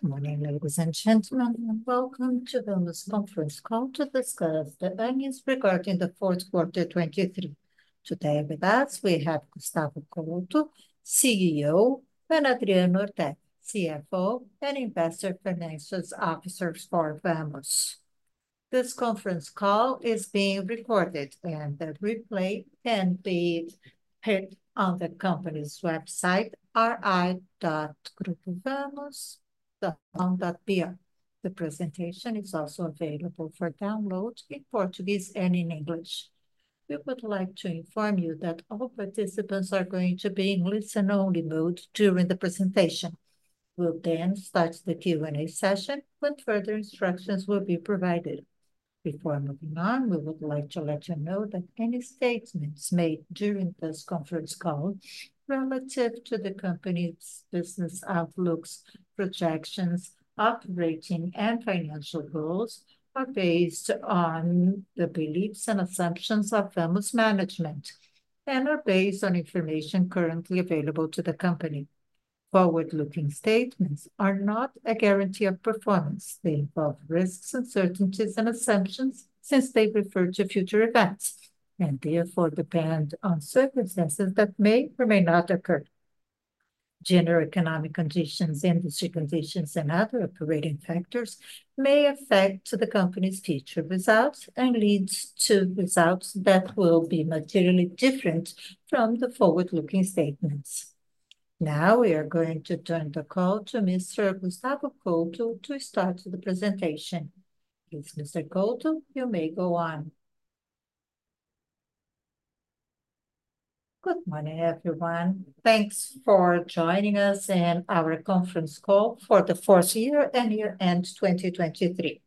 Good morning, ladies and gentlemen, and welcome to Vamos Conference Call to discuss the earnings regarding the 4th quarter 2023. Today with us we have Gustavo Couto, CEO, and Adriano Ortega, CFO and Investor Relations Officer for Vamos. This conference call is being recorded, and the replay can be hit on the company's website, ri.grupovamos.com.br. The presentation is also available for download in Portuguese and in English. We would like to inform you that all participants are going to be in listen-only mode during the presentation. We'll then start the Q&A session when further instructions will be provided. Before moving on, we would like to let you know that any statements made during this conference call relative to the company's business outlooks, projections, operating, and financial goals are based on the beliefs and assumptions of Vamos management and are based on information currently available to the company. Forward-looking statements are not a guarantee of performance. They involve risks, uncertainties, and assumptions since they refer to future events and therefore depend on circumstances that may or may not occur. General economic conditions, industry conditions, and other operating factors may affect the company's future results and lead to results that will be materially different from the forward-looking statements. Now we are going to turn the call to Mr. Gustavo Couto to start the presentation. Please, Mr. Couto, you may go on. Good morning, everyone. Thanks for joining us in our conference call for the 4th year and year-end 2023.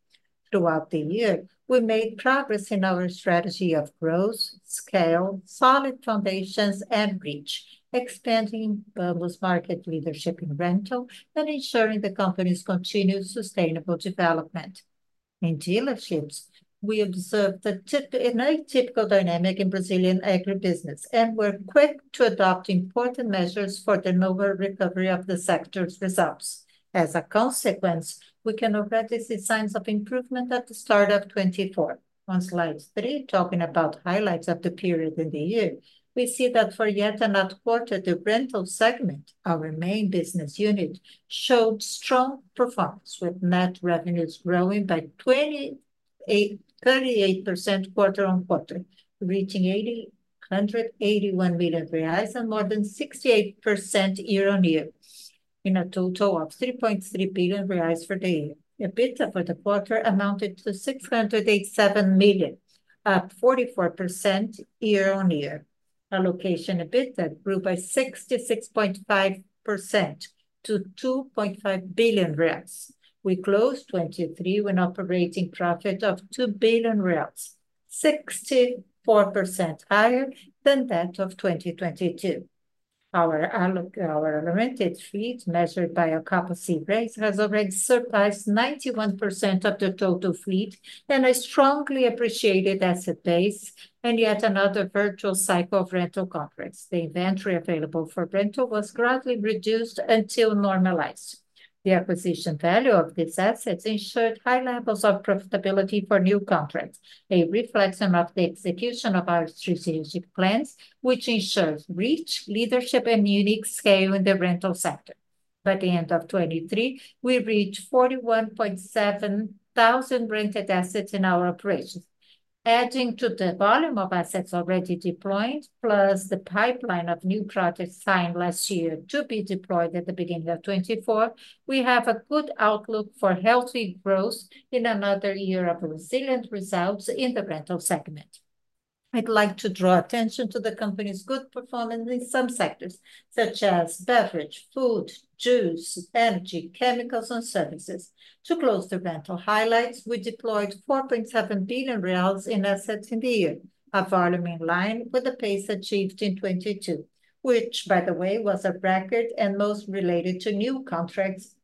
Throughout the year we made progress in our strategy of growth, scale, solid foundations, and reach, expanding Vamos market leadership in rental and ensuring the company's continued sustainable development. In dealerships we observed a typical dynamic in Brazilian agribusiness and were quick to adopt important measures for the new recovery of the sector's results. As a consequence, we can already see signs of improvement at the start of 2024. On slide 3, talking about highlights of the period in the year, we see that for yet another quarter the rental segment, our main business unit, showed strong performance with net revenues growing by 28% quarter-on-quarter, reaching 8,181 million reais and more than 68% year-on-year, in a total of 3.3 billion reais for the year. EBITDA for the quarter amounted to 687 million, up 44% year-on-year. Allocation EBITDA grew by 66.5% to 2.5 billion reais. We closed 2023 with an operating profit of 2 billion reais, 64% higher than that of 2022. Our allocated fleet, measured by a capacity rate, has already surpassed 91% of the total fleet and a strongly appreciated asset base, and yet another virtuous cycle of rental contracts. The inventory available for rental was gradually reduced until normalized. The acquisition value of these assets ensured high levels of profitability for new contracts, a reflection of the execution of our strategic plans, which ensure reach, leadership, and unique scale in the rental sector. By the end of 2023 we reached 41,700 rented assets in our operations. Adding to the volume of assets already deployed, plus the pipeline of new projects signed last year to be deployed at the beginning of 2024, we have a good outlook for healthy growth in another year of resilient results in the rental segment. I'd like to draw attention to the company's good performance in some sectors, such as beverage, food, juice, energy, chemicals, and services. To close the rental highlights, we deployed 4.7 billion reais in assets in the year, a volume in line with the pace achieved in 2022, which, by the way, was a record and most related to new contracts.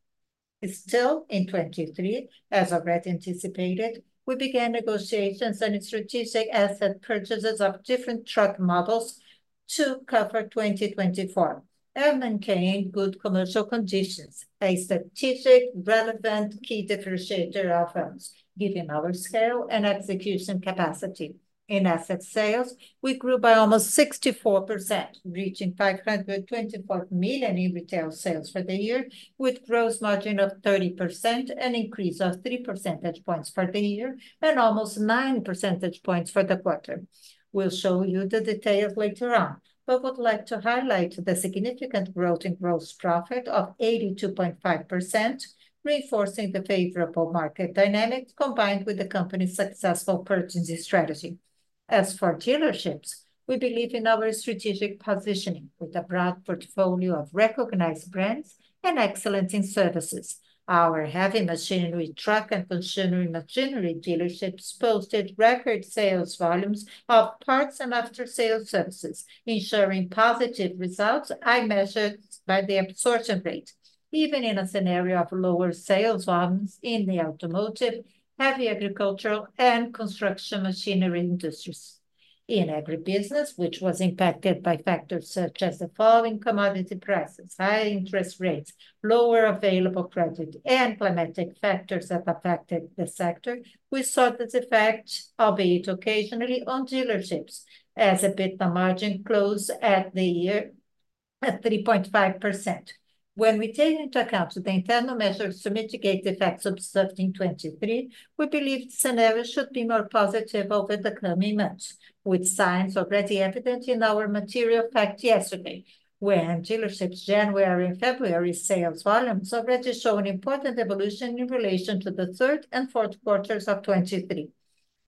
Still, in 2023, as already anticipated, we began negotiations and strategic asset purchases of different truck models to cover 2024. We managed to gain good commercial conditions, a strategically relevant key differentiator of Vamos, given our scale and execution capacity. In asset sales we grew by almost 64%, reaching 524 million in retail sales for the year, with gross margin of 30%, an increase of 3 percentage points for the year, and almost 9 percentage points for the quarter. We'll show you the details later on, but would like to highlight the significant growth in gross profit of 82.5%, reinforcing the favorable market dynamics combined with the company's successful purchasing strategy. As for dealerships, we believe in our strategic positioning with a broad portfolio of recognized brands and excellence in services. Our heavy machinery truck and consumer machinery dealerships posted record sales volumes of parts and after-sales services, ensuring positive results as measured by the absorption rate, even in a scenario of lower sales volumes in the automotive, heavy agricultural, and construction machinery industries. In agribusiness, which was impacted by factors such as the fall in commodity prices, high interest rates, lower available credit, and climatic factors that affected the sector, we saw this effect, albeit occasionally, on dealerships as EBITDA margin closed the year at 3.5%. When we take into account the internal measures to mitigate the effects observed in 2023, we believe the scenario should be more positive over the coming months, with signs already evident in our material fact yesterday, when dealerships' January and February sales volumes already show an important evolution in relation to the 3rd and 4th quarters of 2023.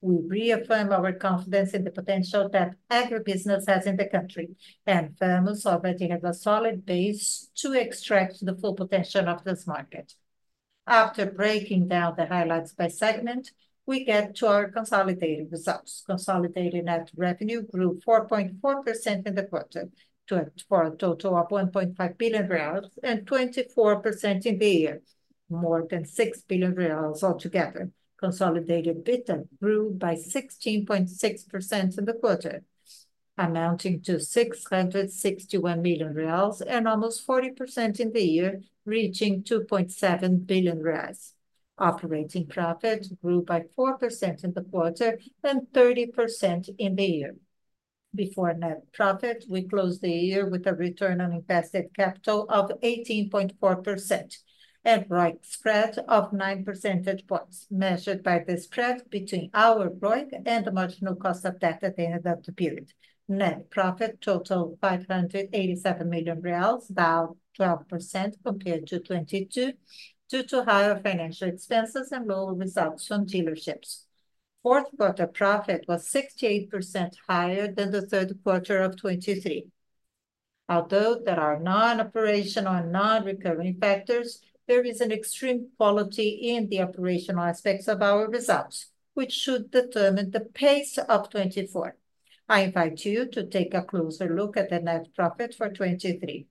We reaffirm our confidence in the potential that agribusiness has in the country, and Vamos already has a solid base to extract the full potential of this market. After breaking down the highlights by segment, we get to our consolidated results. Consolidated net revenue grew 4.4% in the quarter to a total of 1.5 billion reais and 24% in the year, more than 6 billion reais altogether. Consolidated EBITDA grew by 16.6% in the quarter, amounting to 661 million reais and almost 40% in the year, reaching 2.7 billion reais. Operating profit grew by 4% in the quarter and 30% in the year. Before net profit, we closed the year with a return on invested capital of 18.4% and ROIC spread of 9 percentage points measured by the spread between our ROIC and the marginal cost of debt at the end of the period. Net profit totaled 587 million reais, about 12% compared to 2022 due to higher financial expenses and lower results on dealerships. Fourth quarter profit was 68% higher than the third quarter of 2023. Although there are non-operational and non-recurring factors, there is an extreme quality in the operational aspects of our results, which should determine the pace of 2024. I invite you to take a closer look at the net profit for 2023.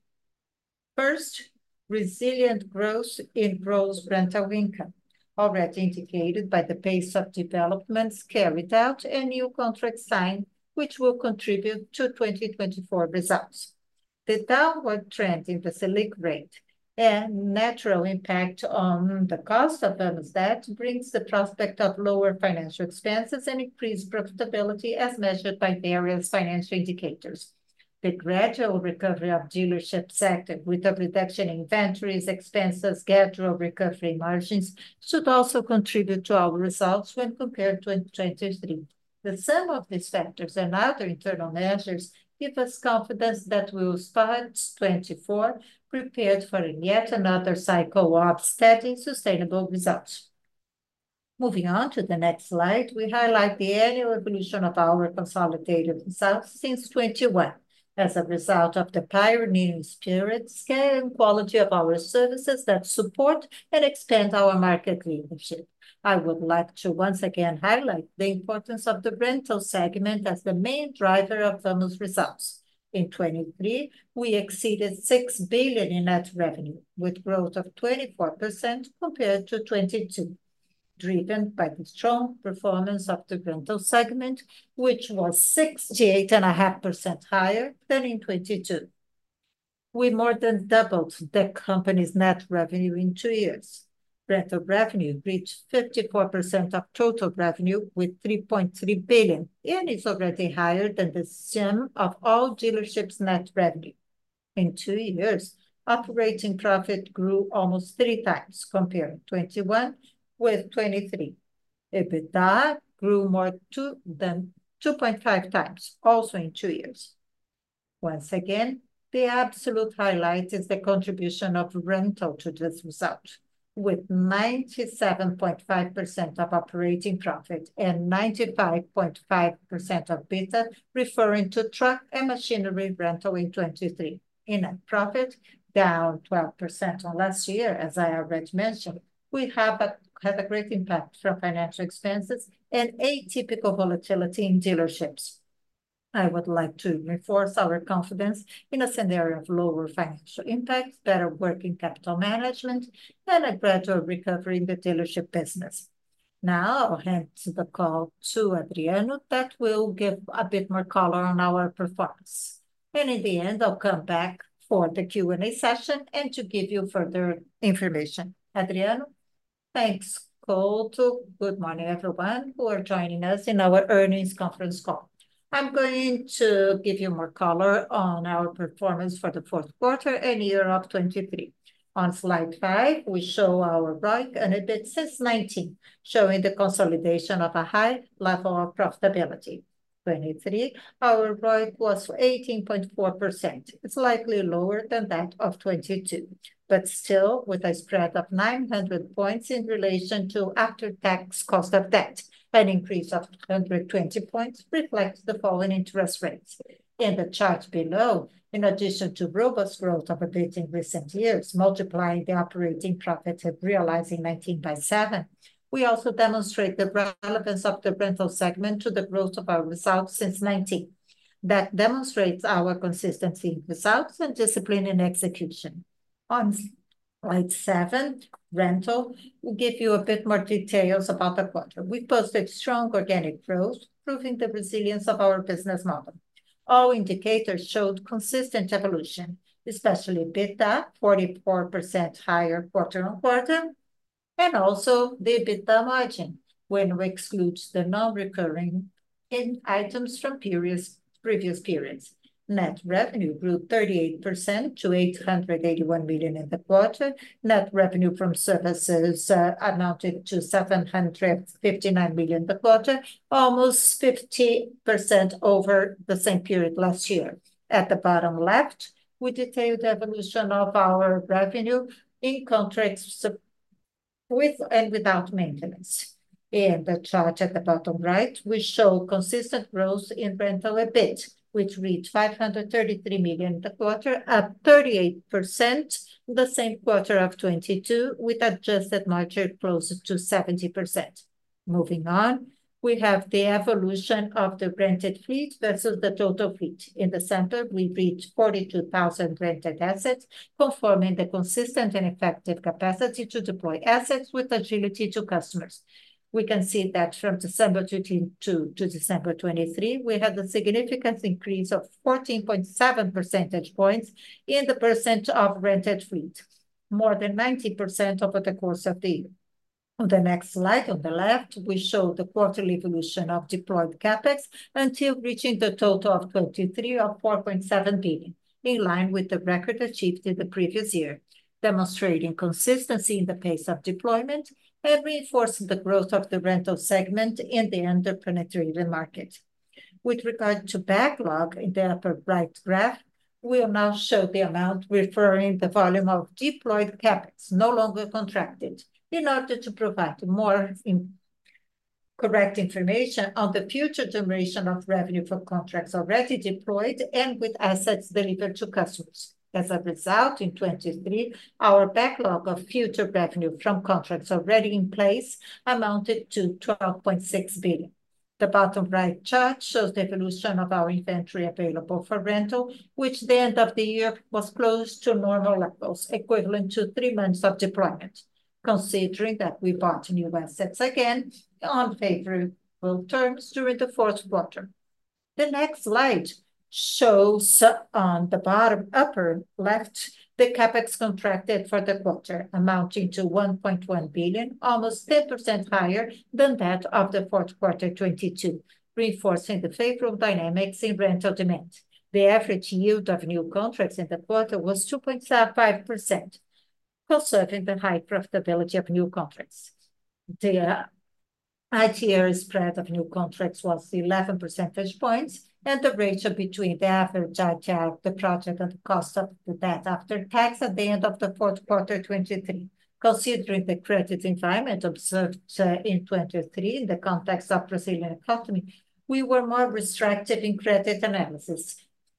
First, resilient growth in gross rental income, already indicated by the pace of developments carried out and new contracts signed, which will contribute to 2024 results. The downward trend in the Selic rate and natural impact on the cost of Vamos debt brings the prospect of lower financial expenses and increased profitability, as measured by various financial indicators. The gradual recovery of the dealership sector, with a reduction in inventories, expenses, and gradual recovery margins, should also contribute to our results when compared to 2023. The sum of these factors and other internal measures gives us confidence that we will spot 2024 prepared for yet another cycle of steady, sustainable results. Moving on to the next slide, we highlight the annual evolution of our consolidated results since 2021 as a result of the pioneering spirit, scale, and quality of our services that support and expand our market leadership. I would like to once again highlight the importance of the rental segment as the main driver of Vamos results. In 2023 we exceeded 6 billion in net revenue, with growth of 24% compared to 2022, driven by the strong performance of the rental segment, which was 68.5% higher than in 2022. We more than doubled the company's net revenue in two years. Rental revenue reached 54% of total revenue, with 3.3 billion, and is already higher than the sum of all dealerships' net revenue. In two years operating profit grew almost 3x compared to 2021 with 2023. EBITDA grew more than 2.5x, also in two years. Once again, the absolute highlight is the contribution of rental to this result, with 97.5% of operating profit and 95.5% of EBITDA referring to truck and machinery rental in 2023, in net profit down 12% on last year. As I already mentioned, we have a great impact from financial expenses and atypical volatility in dealerships. I would like to reinforce our confidence in a scenario of lower financial impact, better working capital management, and a gradual recovery in the dealership business. Now I'll hand the call to Adriano, that will give a bit more color on our performance. In the end I'll come back for the Q&A session and to give you further information. Adriano, Thanks. Couto, good morning, everyone who are joining us in our earnings conference call. I'm going to give you more color on our performance for the fourth quarter and year of 2023. On slide five we show our ROIC and EBIT since 2019, showing the consolidation of a high level of profitability. In 2023 our ROIC was 18.4%. It's likely lower than that of 2022, but still with a spread of 900 points in relation to after-tax cost of debt. An increase of 120 points reflects the falling interest rates in the chart below. In addition to robust growth of EBIT in recent years, multiplying the operating profit and realizing 2019 by seven, we also demonstrate the relevance of the rental segment to the growth of our results since 2019. That demonstrates our consistency in results and discipline in execution. On slide seven rental will give you a bit more details about the quarter. We posted strong organic growth, proving the resilience of our business model. All indicators showed consistent evolution, especially EBITDA, 44% higher quarter-over-quarter, and also the EBITDA margin when we exclude the non-recurring items from previous periods. Net revenue grew 38% to 881 million in the quarter. Net revenue from services amounted to 759 million the quarter, almost 50% over the same period last year. At the bottom left we detail the evolution of our revenue in contracts with and without maintenance. In the chart at the bottom right we show consistent growth in rental EBIT, which reads 533 million the quarter, up 38% the same quarter of 2022, with adjusted margin closer to 70%. Moving on we have the evolution of the rented fleet versus the total fleet. In the center we read 42,000 rented assets, confirming the consistent and effective capacity to deploy assets with agility to customers. We can see that from December 2022 to December 2023 we had a significant increase of 14.7 percentage points in the percent of rented fleet, more than 90% over the course of the year. On the next slide on the left we show the quarterly evolution of deployed CapEx until reaching the total of 2023 of 4.7 billion, in line with the record achieved in the previous year, demonstrating consistency in the pace of deployment and reinforcing the growth of the rental segment in the entrepreneurial market. With regard to backlog in the upper right graph, we will now show the amount referring to the volume of deployed CapEx no longer contracted in order to provide more correct information on the future generation of revenue for contracts already deployed and with assets delivered to customers. As a result, in 2023 our backlog of future revenue from contracts already in place amounted to 12.6 billion. The bottom right chart shows the evolution of our inventory available for rental, which at the end of the year was close to normal levels, equivalent to three months of deployment, considering that we bought new assets again on favorable terms during the fourth quarter. The next slide shows on the bottom upper left the CapEx contracted for the quarter, amounting to 1.1 billion, almost 10% higher than that of the fourth quarter 2022, reinforcing the favorable dynamics in rental demand. The average yield of new contracts in the quarter was 2.5%, conserving the high profitability of new contracts. The ideal spread of new contracts was 11 percentage points, and the ratio between the average IRR of the project and the cost of the debt after tax at the end of the fourth quarter 2023. Considering the credit environment observed in 2023 in the context of Brazilian economy, we were more restrictive in credit analysis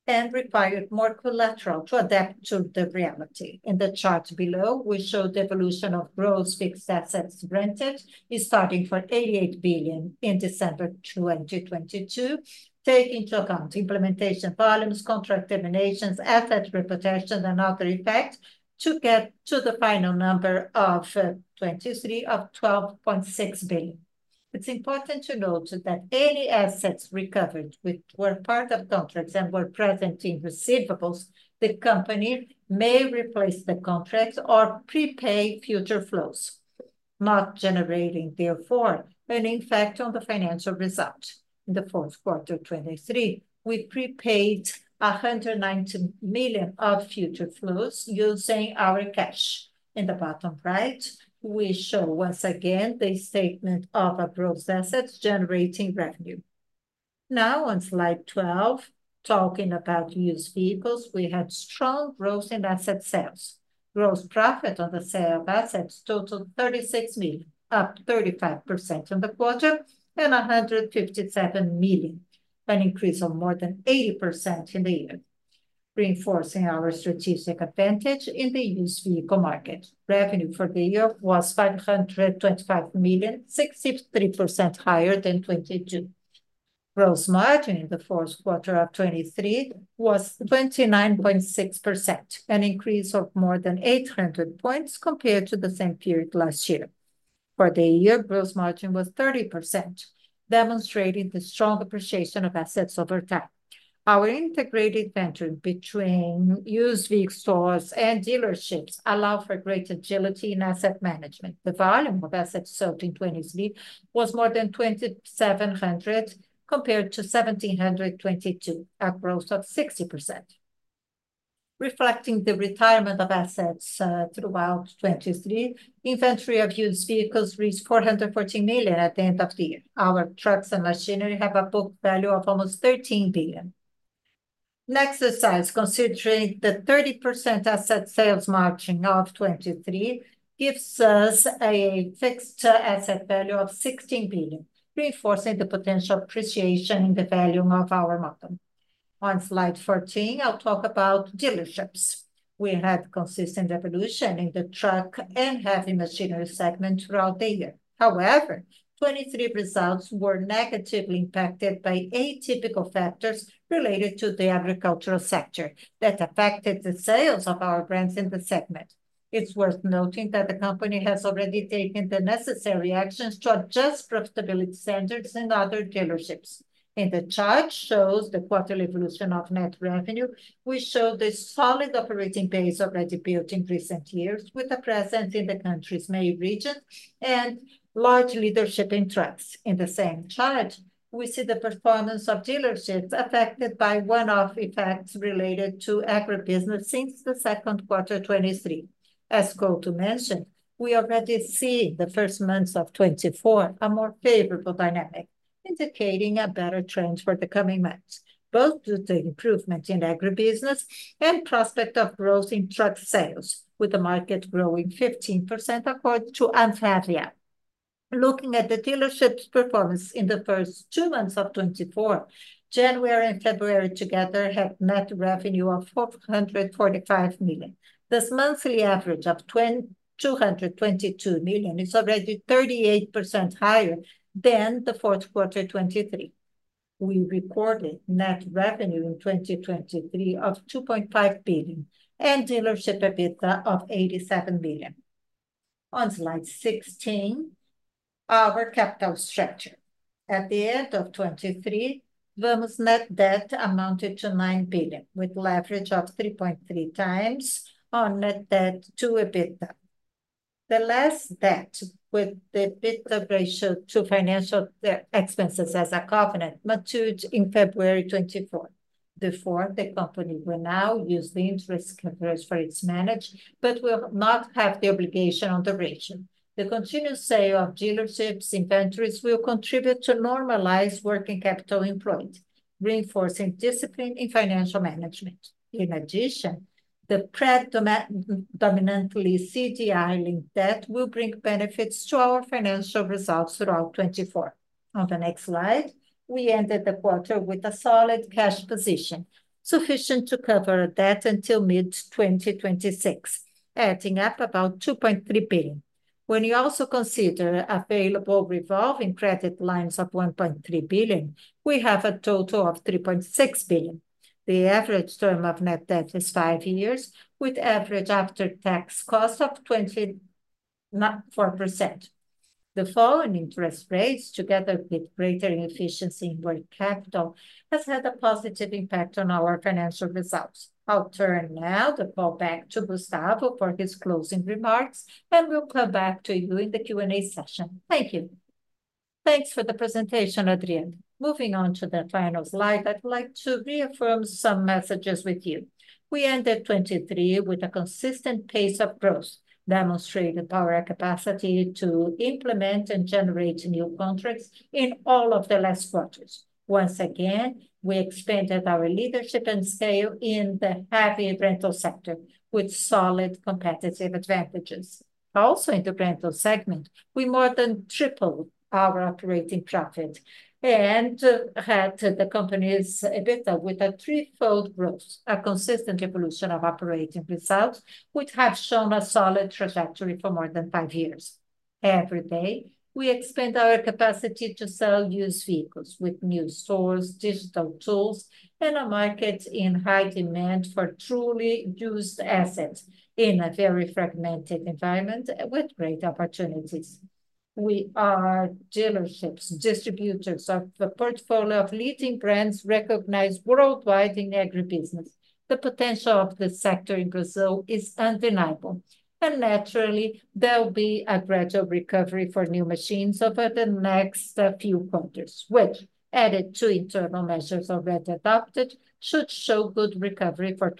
and required more collateral to adapt to the reality. In the chart below we show the evolution of gross fixed assets rented, starting for 88 billion in December 2022, taking into account implementation volumes, contract terminations, asset depreciation, and other effects to get to the final number of 2023 of 12.6 billion. It's important to note that any assets recovered which were part of contracts and were present in receivables, the company may replace the contracts or prepay future flows, not generating, therefore, an impact on the financial result. In the fourth quarter 2023 we prepaid 190 million of future flows using our cash. In the bottom right we show once again the statement of a gross asset generating revenue. Now, on slide 12, talking about used vehicles, we had strong growth in asset sales. Gross profit on the sale of assets totaled 36 million, up 35% in the quarter, and 157 million, an increase of more than 80% in the year, reinforcing our strategic advantage in the used vehicle market. Revenue for the year was 525 million, 63% higher than 2022. Gross margin in the fourth quarter of 2023 was 29.6%, an increase of more than 800 points compared to the same period last year. For the year gross margin was 30%, demonstrating the strong appreciation of assets over time. Our integrated venture between used vehicle stores and dealerships allowed for great agility in asset management. The volume of assets sold in 2023 was more than 2,700 compared to 1,722, a growth of 60%, reflecting the retirement of assets throughout 2023. Inventory of used vehicles reached 414 million at the end of the year. Our trucks and machinery have a book value of almost 13 billion. Next exercise, considering the 30% asset sales margin of 2023, gives us a fixed asset value of 16 billion, reinforcing the potential appreciation in the value of our model. On slide 14 I'll talk about dealerships. We had consistent evolution in the truck and heavy machinery segment throughout the year. However, 2023 results were negatively impacted by atypical factors related to the agricultural sector that affected the sales of our brands in the segment. It's worth noting that the company has already taken the necessary actions to adjust profitability standards in other dealerships. In the chart shows the quarterly evolution of net revenue. We show the solid operating base already built in recent years, with a presence in the country's main region and large leadership in trucks. In the same chart we see the performance of dealerships affected by one-off effects related to agribusiness since the second quarter 2023. As Couto mentioned, we already see the first months of 2024 a more favorable dynamic, indicating a better trend for the coming months, both due to improvement in agribusiness and prospect of growth in truck sales, with the market growing 15% according to ANFAVEA. Looking at the dealerships' performance in the first two months of 2024, January and February together had net revenue of 445 million. This monthly average of 222 million is already 38% higher than the fourth quarter 2023. We recorded net revenue in 2023 of 2.5 billion and dealership EBITDA of 87 million. On slide 16, our capital structure. At the end of 2023, Vamos net debt amounted to 9 billion, with leverage of 3.3x net debt to EBITDA. The last debt with the EBITDA ratio to financial expenses as a covenant matured in February 2024. Before, the company will now use the interest coverage for its management, but will not have the obligation on the ratio. The continuous sale of dealerships' inventories will contribute to normalize working capital employed, reinforcing discipline in financial management. In addition, the predominantly CDI-linked debt will bring benefits to our financial results throughout 2024. On the next slide, we ended the quarter with a solid cash position sufficient to cover debt until mid-2026, adding up to about 2.3 billion. When you also consider available revolving credit lines of 1.3 billion, we have a total of 3.6 billion. The average term of net debt is five years, with average after-tax cost of 24%. The falling interest rates, together with greater efficiency in working capital, have had a positive impact on our financial results. I'll turn the call now back to Gustavo for his closing remarks, and we'll come back to you in the Q&A session. Thank you. Thanks for the presentation, Adriano. Moving on to the final slide, I'd like to reaffirm some messages with you. We ended 2023 with a consistent pace of growth demonstrated by our capacity to implement and generate new contracts in all of the last quarters. Once again we expanded our leadership and scale in the heavy rental sector with solid competitive advantages. Also in the rental segment we more than tripled our operating profit and had the company's EBITDA with a threefold growth, a consistent evolution of operating results which have shown a solid trajectory for more than five years. Every day we expand our capacity to sell used vehicles with new stores, digital tools, and a market in high demand for truly used assets in a very fragmented environment with great opportunities. We are dealerships, distributors of a portfolio of leading brands recognized worldwide in agribusiness. The potential of the sector in Brazil is undeniable, and naturally there'll be a gradual recovery for new machines over the next few quarters, which, added to internal measures already adopted, should show good recovery for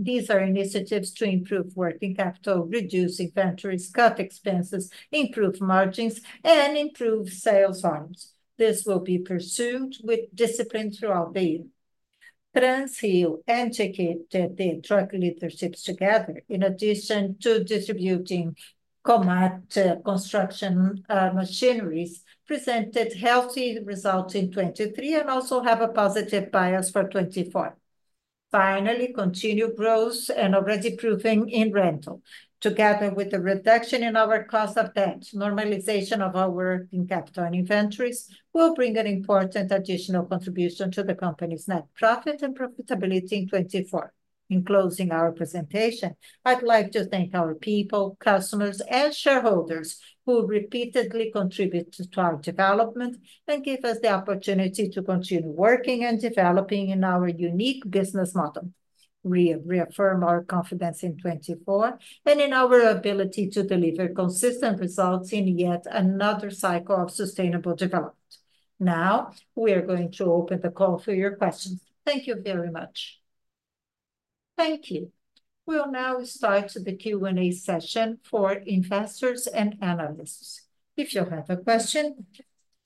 2024. These are initiatives to improve working capital, reduce inventory scuff expenses, improve margins, and improve sales arms. This will be pursued with discipline throughout the year. Transrio and Tietê Veículos did the truck leaderships together. In addition to distributing Komatsu construction machineries, presented healthy results in 2023, and also have a positive bias for 2024. Finally, continue growth and already proving in rental together with the reduction in our cost of debt. Normalization of our working capital and inventories will bring an important additional contribution to the company's net profit and profitability in 2024. In closing our presentation, I'd like to thank our people, customers, and shareholders who repeatedly contribute to our development and give us the opportunity to continue working and developing in our unique business model. We reaffirm our confidence in 2024 and in our ability to deliver consistent results in yet another cycle of sustainable development. Now we are going to open the call for your questions. Thank you very much. Thank you. We'll now start the Q&A session for investors and analysts. If you have a question,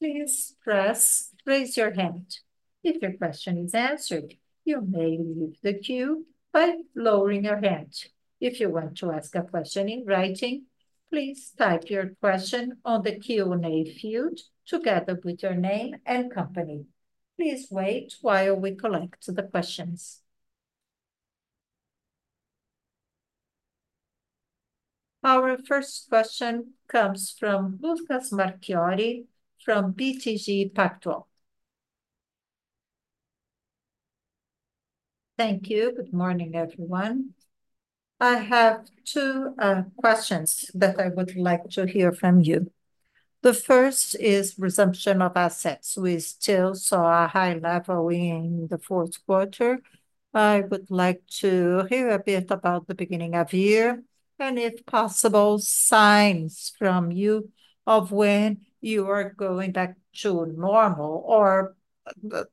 please raise your hand. If your question is answered, you may leave the queue by lowering your hand. If you want to ask a question in writing, please type your question on the Q&A field together with your name and company. Please wait while we collect the questions. Our first question comes from Lucas Marquiiori from BTG Pactual. Thank you. Good morning, everyone. I have two questions that I would like to hear from you. The first is resumption of assets. We still saw a high level in the fourth quarter. I would like to hear a bit about the beginning of year, and if possible, signs from you of when you are going back to normal or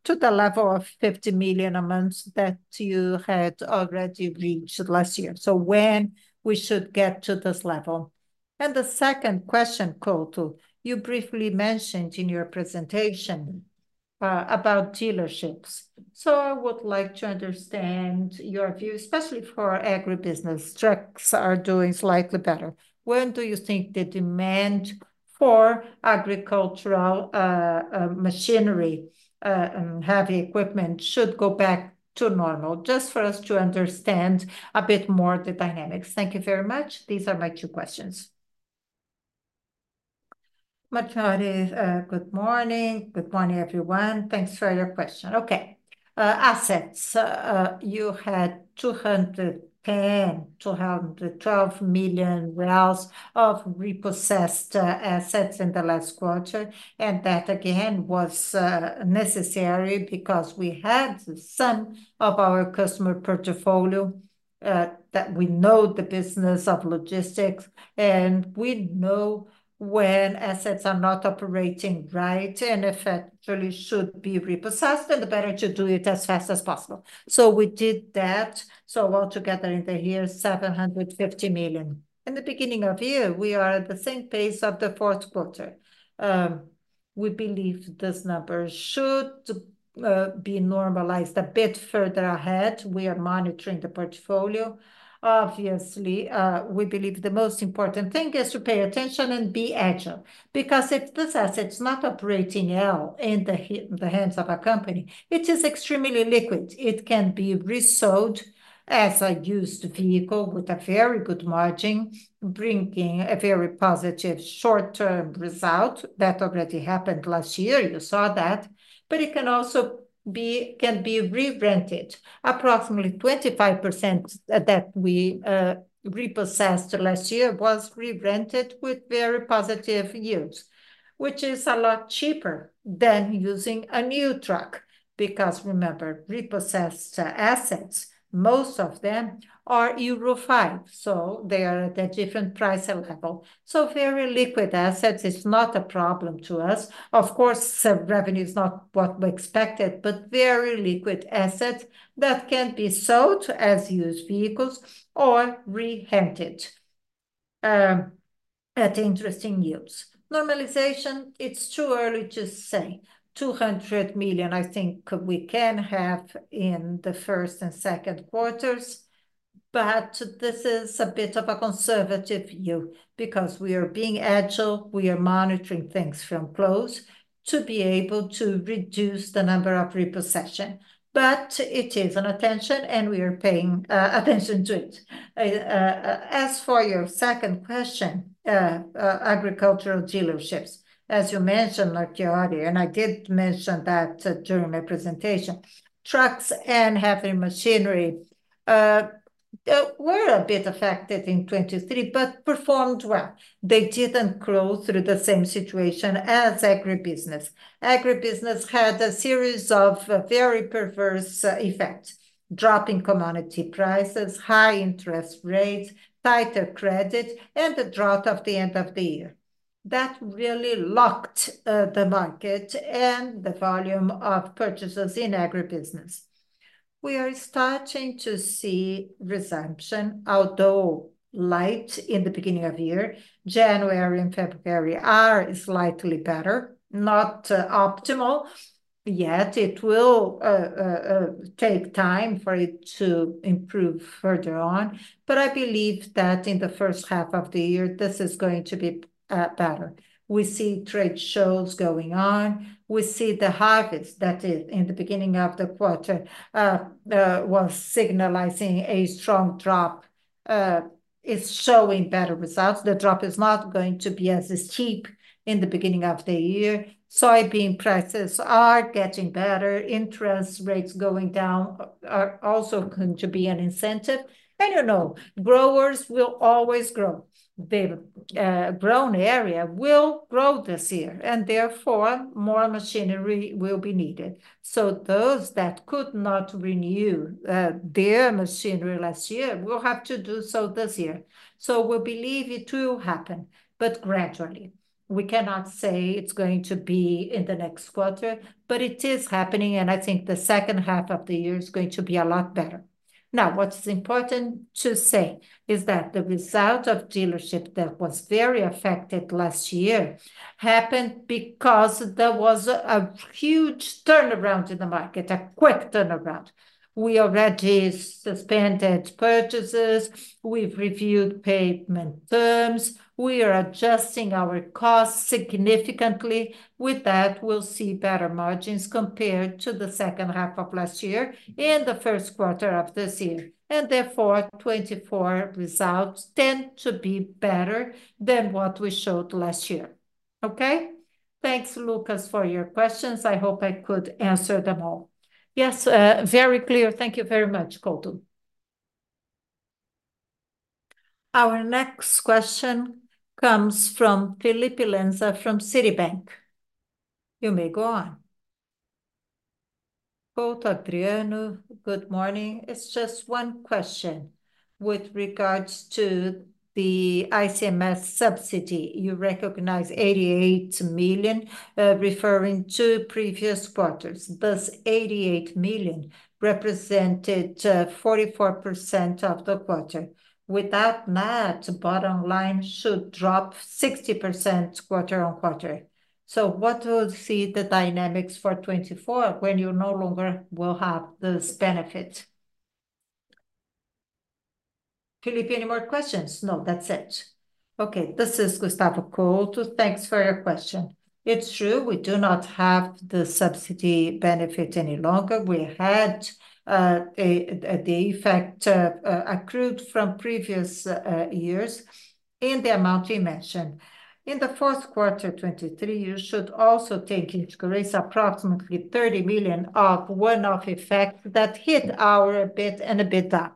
to the level of 50 million a month that you had already reached last year. So when we should get to this level. And the second question, Couto, you briefly mentioned in your presentation about dealerships. So I would like to understand your view, especially for agribusiness. Trucks are doing slightly better. When do you think the demand for agricultural machinery and heavy equipment should go back to normal? Just for us to understand a bit more the dynamics. Thank you very much. These are my two questions. Marchiori, good morning. Good morning, everyone. Thanks for your question. Okay. Assets. You had 210-212 million worth of repossessed assets in the last quarter, and that, again, was necessary because we had some of our customer portfolio that we know the business of logistics, and we know when assets are not operating right and effectively should be repossessed, and the better to do it as fast as possible. So we did that. So altogether in the year, 750 million. In the beginning of year, we are at the same pace of the fourth quarter. We believe this number should be normalized a bit further ahead. We are monitoring the portfolio. Obviously, we believe the most important thing is to pay attention and be agile, because if this asset's not operating well in the hands of a company, it is extremely liquid. It can be resold as a used vehicle with a very good margin, bringing a very positive short-term result that already happened last year. You saw that. But it can also be re-rented. Approximately 25% that we repossessed last year was re-rented with very positive yields, which is a lot cheaper than using a new truck. Because, remember, repossessed assets, most of them are Euro 5, so they are at a different price level. So very liquid assets is not a problem to us. Of course, revenue is not what we expected, but very liquid assets that can be sold as used vehicles or re-rented at interesting yields. Normalization. It's too early to say 200 million. I think we can have in the first and second quarters. But this is a bit of a conservative view, because we are being agile. We are monitoring things from close to be able to reduce the number of repossession. But it is an attention, and we are paying attention to it. As for your second question, agricultural dealerships, as you mentioned, Marchiori, and I did mention that during my presentation, trucks and heavy machinery were a bit affected in 2023, but performed well. They didn't grow through the same situation as agribusiness. Agribusiness had a series of very perverse effects: dropping commodity prices, high interest rates, tighter credit, and the drop of the end of the year that really locked the market and the volume of purchases in agribusiness. We are starting to see resumption, although light in the beginning of year. January and February are slightly better, not optimal yet. It will take time for it to improve further on. But I believe that in the first half of the year this is going to be better. We see trade shows going on. We see the harvest that is in the beginning of the quarter was signalizing a strong drop. It's showing better results. The drop is not going to be as cheap in the beginning of the year. Soybean prices are getting better. Interest rates going down are also going to be an incentive. You know growers will always grow. The grown area will grow this year, and therefore more machinery will be needed. So those that could not renew their machinery last year will have to do so this year. So we believe it will happen, but gradually. We cannot say it's going to be in the next quarter, but it is happening, and I think the second half of the year is going to be a lot better. Now, what's important to say is that the result of dealership that was very affected last year happened because there was a huge turnaround in the market, a quick turnaround. We already suspended purchases. We've reviewed payment terms. We are adjusting our costs significantly. With that, we'll see better margins compared to the second half of last year and the first quarter of this year, and therefore 2024 results tend to be better than what we showed last year. Okay. Thanks, Lucas, for your questions. I hope I could answer them all. Yes, very clear. Thank you very much, Couto. Our next question comes from Felipe Lenza from Citibank. You may go on. Couto, Adriano, good morning. It's just one question with regards to the ICMS subsidy. You recognize 88 million referring to previous quarters. Thus 88 million represented 44% of the quarter. Without that, the bottom line should drop 60% quarter-on-quarter. So what will be the dynamics for 2024 when you no longer will have this benefit? Filipe, any more questions? No, that's it. Okay, this is Gustavo Couto. Thanks for your question. It's true. We do not have the subsidy benefit any longer. We had the effect accrued from previous years in the amount you mentioned. In the fourth quarter 2023, you should also take into account approximately 30 million of one-off effects that hit our EBIT a bit and a bit down,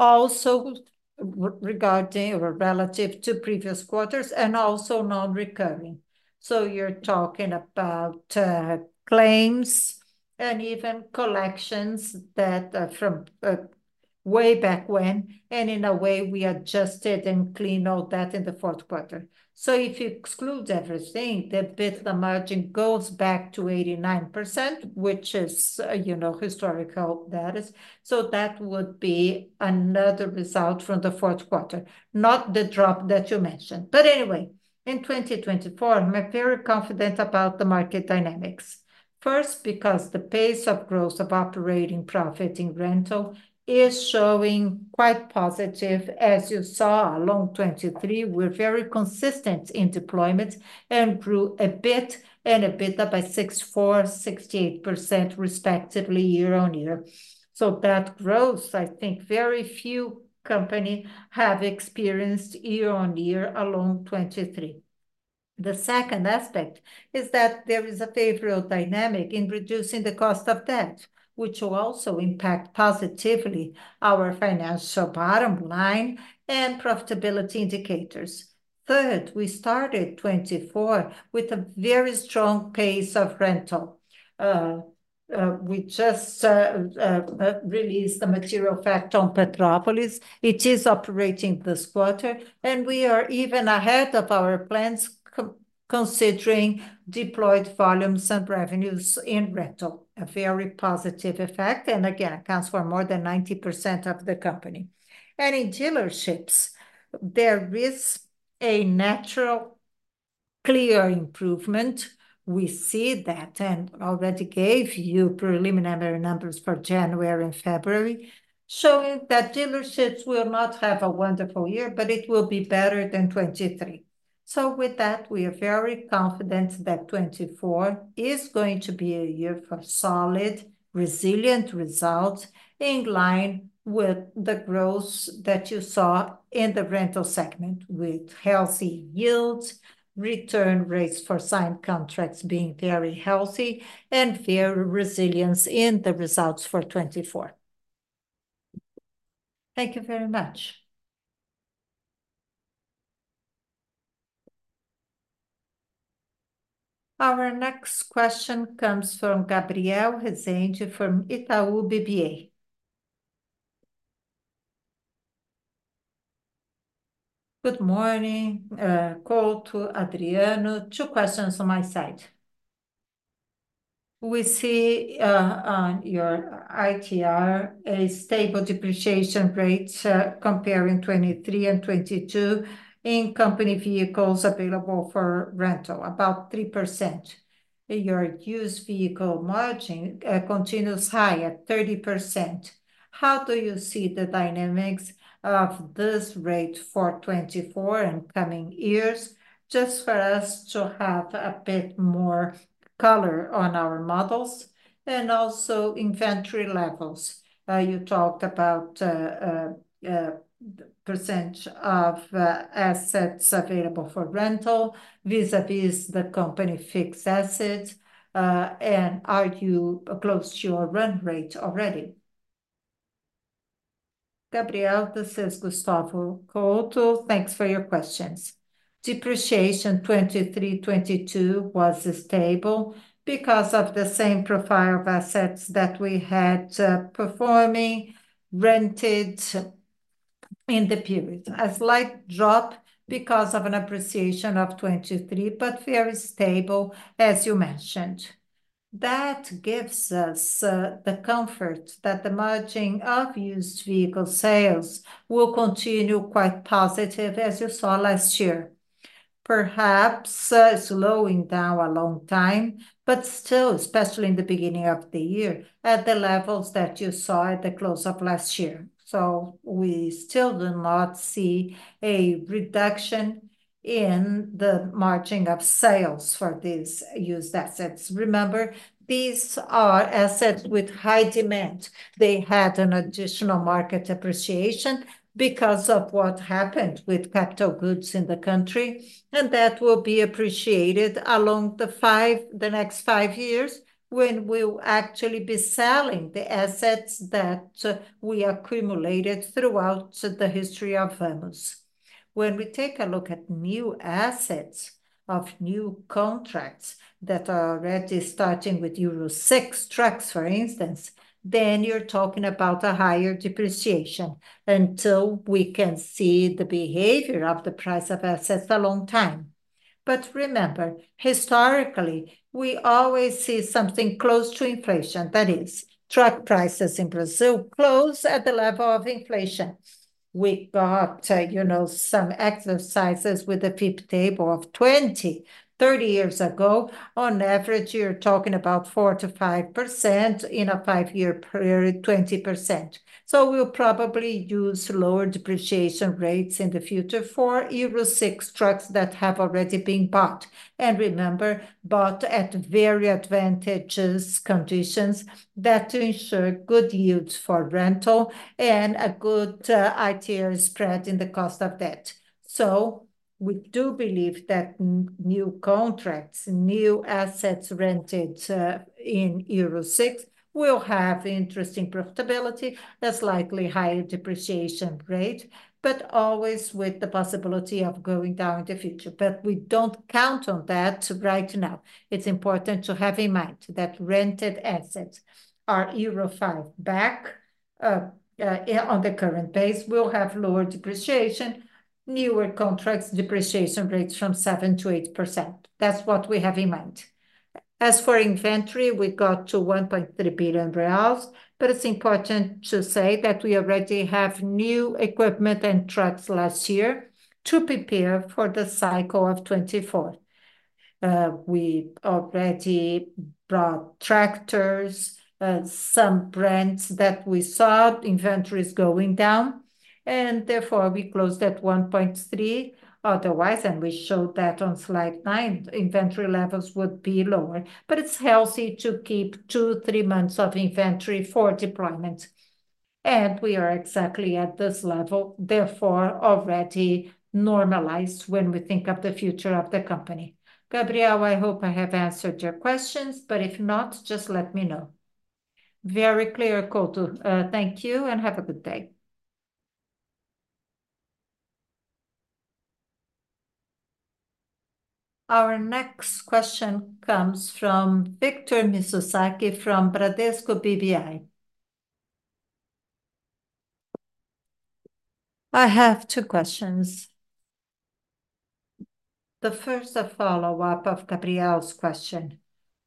also regarding or relative to previous quarters, and also non-recurring. So you're talking about claims and even collections that are from way back when, and in a way we adjusted and cleaned all that in the fourth quarter. So if you exclude everything, the EBIT, the margin goes back to 89%, which is, you know, historical data. So that would be another result from the fourth quarter, not the drop that you mentioned. But anyway, in 2024, I'm very confident about the market dynamics. First, because the pace of growth of operating profit in rental is showing quite positive. As you saw in 2023, we're very consistent in deployment and grew agri and machinery by 64%, 68%, respectively, year-over-year. So that growth, I think very few companies have experienced year-over-year in 2023. The second aspect is that there is a favorable dynamic in reducing the cost of debt, which will also impact positively our financial bottom line and profitability indicators. Third, we started 2024 with a very strong pace of rental. We just released the material fact on Petrópolis. It is operating this quarter, and we are even ahead of our plans, considering deployed volumes and revenues in rental, a very positive effect, and again accounts for more than 90% of the company. And in dealerships, there is a natural clear improvement. We see that and already gave you preliminary numbers for January and February, showing that dealerships will not have a wonderful year, but it will be better than 2023. So with that, we are very confident that 2024 is going to be a year for solid, resilient results in line with the growth that you saw in the rental segment, with healthy yields, return rates for signed contracts being very healthy, and very resilient in the results for 2024. Thank you very much. Our next question comes from Gabriel Rezende from Itaú BBA. Good morning, Couto, Adriano. Two questions on my side. We see on your ITR a stable depreciation rate comparing 2023 and 2022 in company vehicles available for rental, about 3%. Your used vehicle margin continues high at 30%. How do you see the dynamics of this rate for 2024 and coming years? Just for us to have a bit more color on our models and also inventory levels. You talked about the percentage of assets available for rental vis-à-vis the company fixed assets. And are you close to your run rate already? Gabriel, this is Gustavo Couto. Thanks for your questions. Depreciation 2023, 2022 was stable because of the same profile of assets that we had performing rented in the period, a slight drop because of an appreciation of 2023, but very stable, as you mentioned. That gives us the comfort that the margin of used vehicle sales will continue quite positive, as you saw last year. Perhaps slowing down a long time, but still, especially in the beginning of the year, at the levels that you saw at the close of last year. So we still do not see a reduction in the margin of sales for these used assets. Remember, these are assets with high demand. They had an additional market appreciation because of what happened with capital goods in the country, and that will be appreciated along the next 5 years when we'll actually be selling the assets that we accumulated throughout the history of Vamos. When we take a look at new assets of new contracts that are already starting with Euro 6 trucks, for instance, then you're talking about a higher depreciation until we can see the behavior of the price of assets a long time. But remember, historically, we always see something close to inflation. That is, truck prices in Brazil close at the level of inflation. We got, you know, some exercises with the FIPE table of 20, 30 years ago. On average, you're talking about 4%-5% in a 5-year period, 20%. So we'll probably use lower depreciation rates in the future for Euro 6 trucks that have already been bought, and remember, bought at very advantageous conditions that ensure good yields for rental and a good IRR spread in the cost of debt. So we do believe that new contracts, new assets rented in Euro 6 will have interesting profitability. That's likely a higher depreciation rate, but always with the possibility of going down in the future. But we don't count on that right now. It's important to have in mind that rented assets are Euro 5 back. On the current base, we'll have lower depreciation, newer contracts, depreciation rates from 7%-8%. That's what we have in mind. As for inventory, we got to 1.3 billion reais. But it's important to say that we already have new equipment and trucks last year to prepare for the cycle of 2024. We already brought tractors, some brands that we saw inventories going down, and therefore we closed at 1.3 otherwise, and we showed that on slide nine. Inventory levels would be lower, but it's healthy to keep 2-3 months of inventory for deployment. We are exactly at this level, therefore already normalized when we think of the future of the company. Gabriel, I hope I have answered your questions, but if not, just let me know. Very clear, Couto. Thank you, and have a good day. Our next question comes from Victor Mizusaki from Bradesco BBI. I have two questions. The first, a follow-up of Gabriel's question.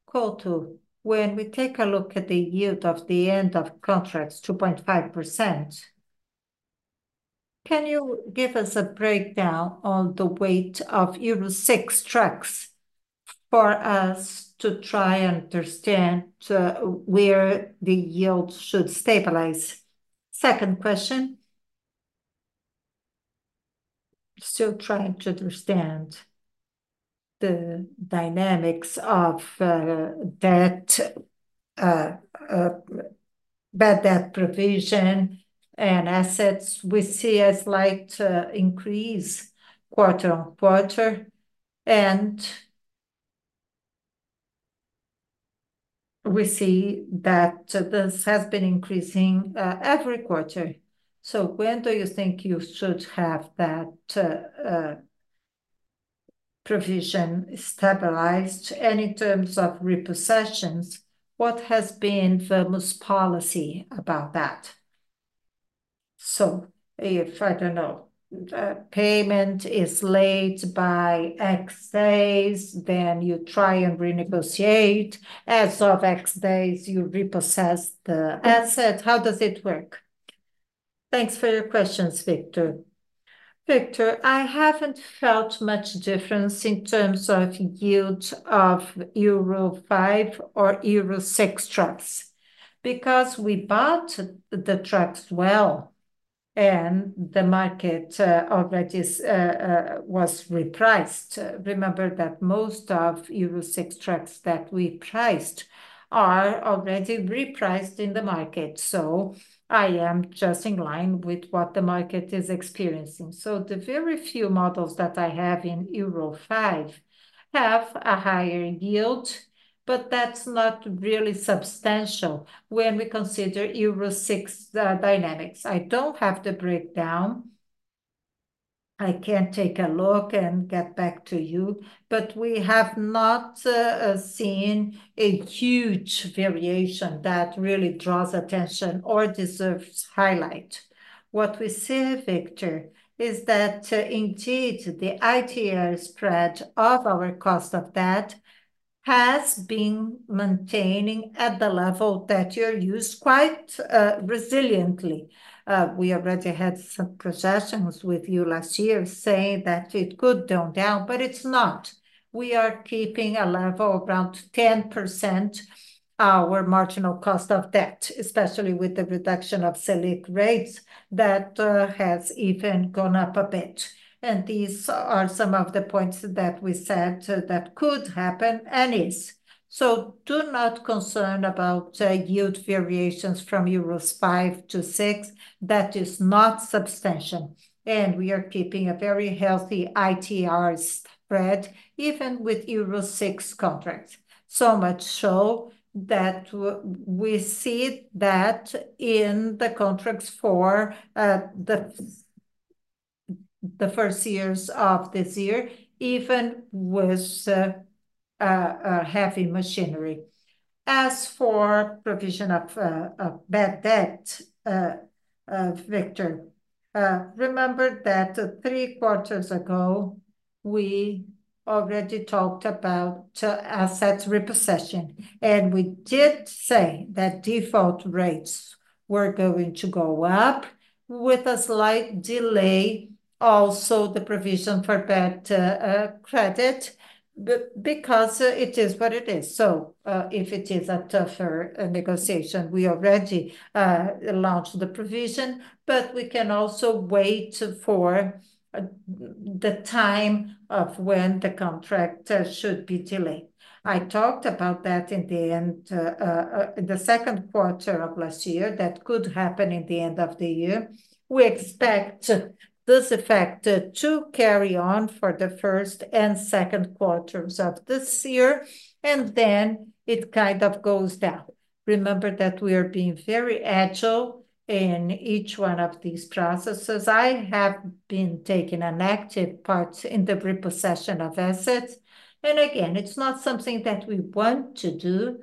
Couto, when we take a look at the yield of the end of contracts, 2.5%. Can you give us a breakdown on the weight of Euro 6 trucks for us to try and understand where the yield should stabilize? Second question. Still trying to understand the dynamics of debt, bad debt provision and assets we see a slight increase quarter-on-quarter. And we see that this has been increasing every quarter. So when do you think you should have that provision stabilized? And in terms of repossessions, what has been Vamos' policy about that? So if, I don't know, payment is late by X days, then you try and renegotiate. As of X days, you repossess the asset. How does it work? Thanks for your questions, Victor. Victor, I haven't felt much difference in terms of yield of Euro 5 or Euro 6 trucks because we bought the trucks well, and the market already was repriced. Remember that most of Euro 6 trucks that we priced are already repriced in the market. So I am just in line with what the market is experiencing. So the very few models that I have in Euro 5 have a higher yield, but that's not really substantial when we consider Euro 6 dynamics. I don't have the breakdown. I can take a look and get back to you, but we have not seen a huge variation that really draws attention or deserves highlight. What we see, Victor, is that, indeed, the IRR spread of our cost of debt has been maintaining at the level that you're used quite resiliently. We already had some conversations with you last year saying that it could go down, but it's not. We are keeping a level around 10% our marginal cost of debt, especially with the reduction of Selic rates that has even gone up a bit. And these are some of the points that we said that could happen and is. So do not concern about yield variations from Euro 5 to 6. That is not substantial. And we are keeping a very healthy IRR spread, even with Euro 6 contracts. So much so that we see that in the contracts for the first years of this year, even with heavy machinery. As for provision of bad debt, Victor, remember that three quarters ago we already talked about assets repossession, and we did say that default rates were going to go up with a slight delay. Also, the provision for bad credit, because it is what it is. So if it is a tougher negotiation, we already launched the provision, but we can also wait for the time of when the contract should be delayed. I talked about that in the end, in the second quarter of last year. That could happen in the end of the year. We expect this effect to carry on for the first and second quarters of this year, and then it kind of goes down. Remember that we are being very agile in each one of these processes. I have been taking an active part in the repossession of assets. Again, it's not something that we want to do.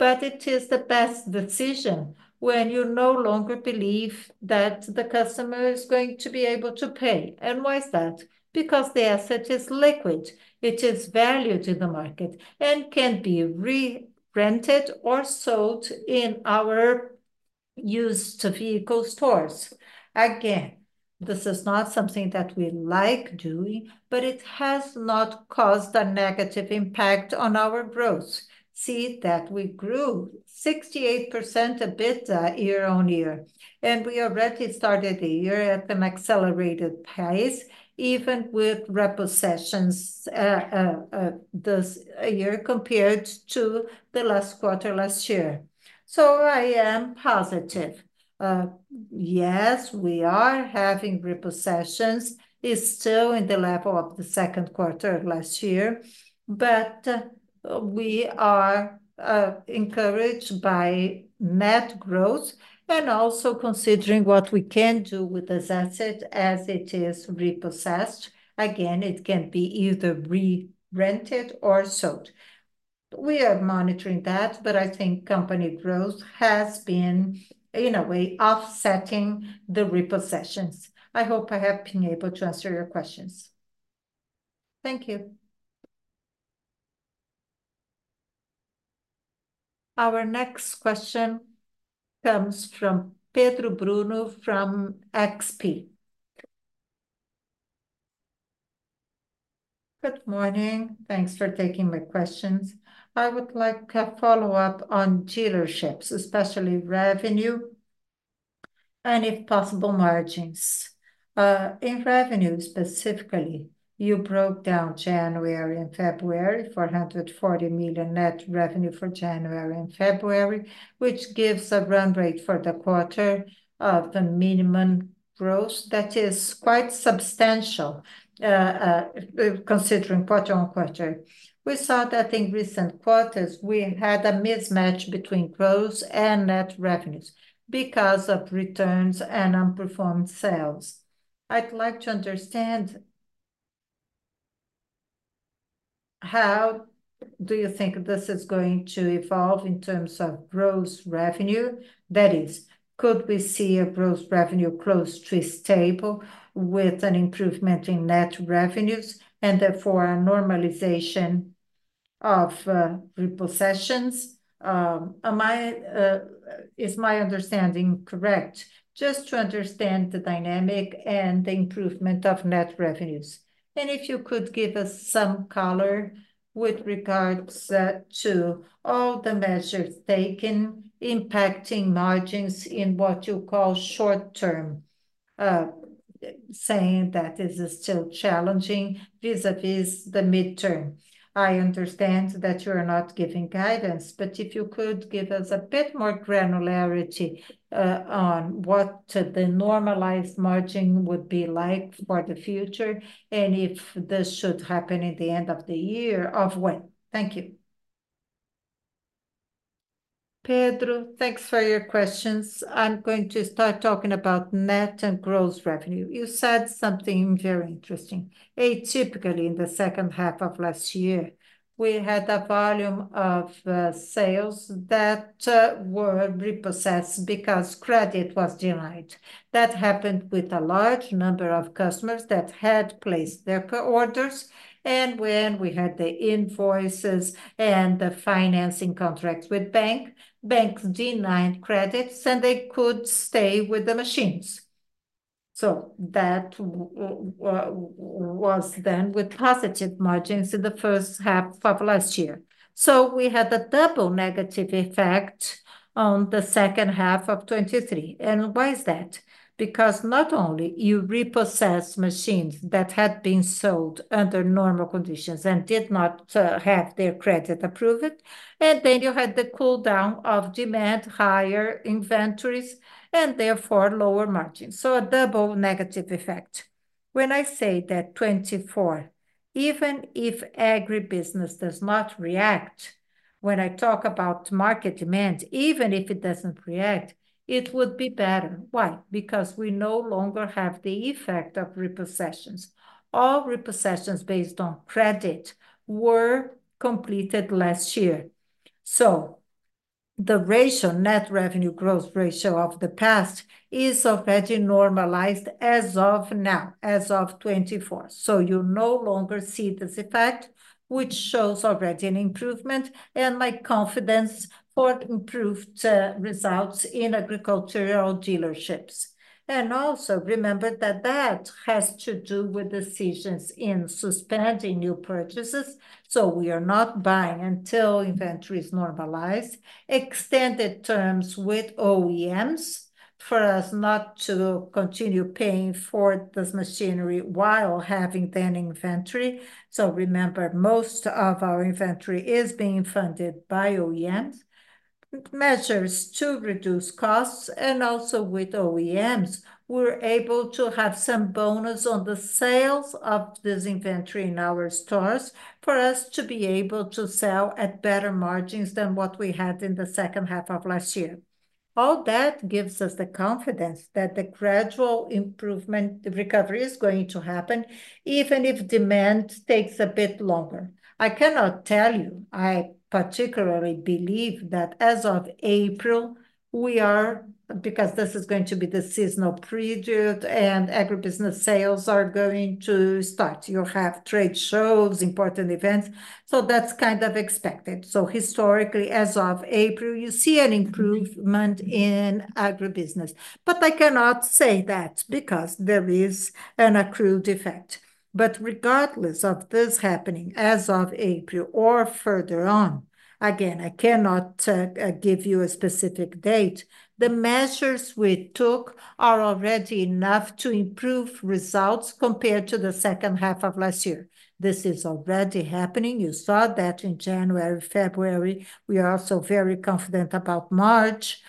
It is the best decision when you no longer believe that the customer is going to be able to pay. Why is that? Because the asset is liquid. It is valued in the market and can be re-rented or sold in our used vehicle stores. Again, this is not something that we like doing, but it has not caused a negative impact on our growth. See that we grew 68% year-on-year, and we already started the year at an accelerated pace, even with repossessions this year compared to the last quarter last year. So I am positive. Yes, we are having repossessions. It's still in the level of the second quarter last year. But we are encouraged by net growth, and also considering what we can do with this asset as it is repossessed. Again, it can be either re-rented or sold. We are monitoring that. But I think company growth has been, in a way, offsetting the repossessions. I hope I have been able to answer your questions. Thank you. Our next question comes from Pedro Bruno from XP. Good morning. Thanks for taking my questions. I would like a follow-up on dealerships, especially revenue. If possible, margins. In revenue, specifically, you broke down January and February for 140 million net revenue for January and February, which gives a run rate for the quarter of the minimum growth that is quite substantial. Considering quarter-on-quarter, we saw that in recent quarters we had a mismatch between growth and net revenues because of returns and unperformed sales. I'd like to understand. How do you think this is going to evolve in terms of gross revenue? That is, could we see a gross revenue close to stable with an improvement in net revenues, and therefore a normalization of repossessions? Am I, is my understanding correct? Just to understand the dynamic and the improvement of net revenues. And if you could give us some color with regards to all the measures taken impacting margins in what you call short term. Saying that is still challenging vis-à-vis the midterm. I understand that you are not giving guidance, but if you could give us a bit more granularity on what the normalized margin would be like for the future, and if this should happen in the end of the year of what? Thank you. Pedro, thanks for your questions. I'm going to start talking about net and gross revenue. You said something very interesting. Atypically, in the second half of last year, we had a volume of sales that were repossessed because credit was denied. That happened with a large number of customers that had placed their orders. And when we had the invoices and the financing contracts with banks, banks denied credits, and they could stay with the machines. So that was then with positive margins in the first half of last year. So we had a double negative effect on the second half of 2023. And why is that? Because not only do you repossess machines that had been sold under normal conditions and did not have their credit approved, and then you had the cooldown of demand, higher inventories, and therefore lower margins. So a double negative effect. When I say that 2024, even if agribusiness does not react. When I talk about market demand, even if it doesn't react, it would be better. Why? Because we no longer have the effect of repossessions. All repossessions based on credit were completed last year. So the ratio, net revenue growth ratio of the past is already normalized as of now, as of 2024. So you no longer see this effect, which shows already an improvement and my confidence for improved results in agricultural dealerships. And also remember that that has to do with decisions in suspending new purchases. So we are not buying until inventory is normalized. Extended terms with OEMs for us not to continue paying for this machinery while having that inventory. So remember, most of our inventory is being funded by OEMs. Measures to reduce costs, and also with OEMs, we're able to have some bonus on the sales of this inventory in our stores for us to be able to sell at better margins than what we had in the second half of last year. All that gives us the confidence that the gradual improvement recovery is going to happen, even if demand takes a bit longer. I cannot tell you. I particularly believe that as of April, we are, because this is going to be the seasonal period, and agribusiness sales are going to start. You'll have trade shows, important events. So that's kind of expected. So historically, as of April, you see an improvement in agribusiness. But I cannot say that because there is an accrued effect. But regardless of this happening as of April or further on, again, I cannot give you a specific date. The measures we took are already enough to improve results compared to the second half of last year. This is already happening. You saw that in January, February. We are also very confident about March.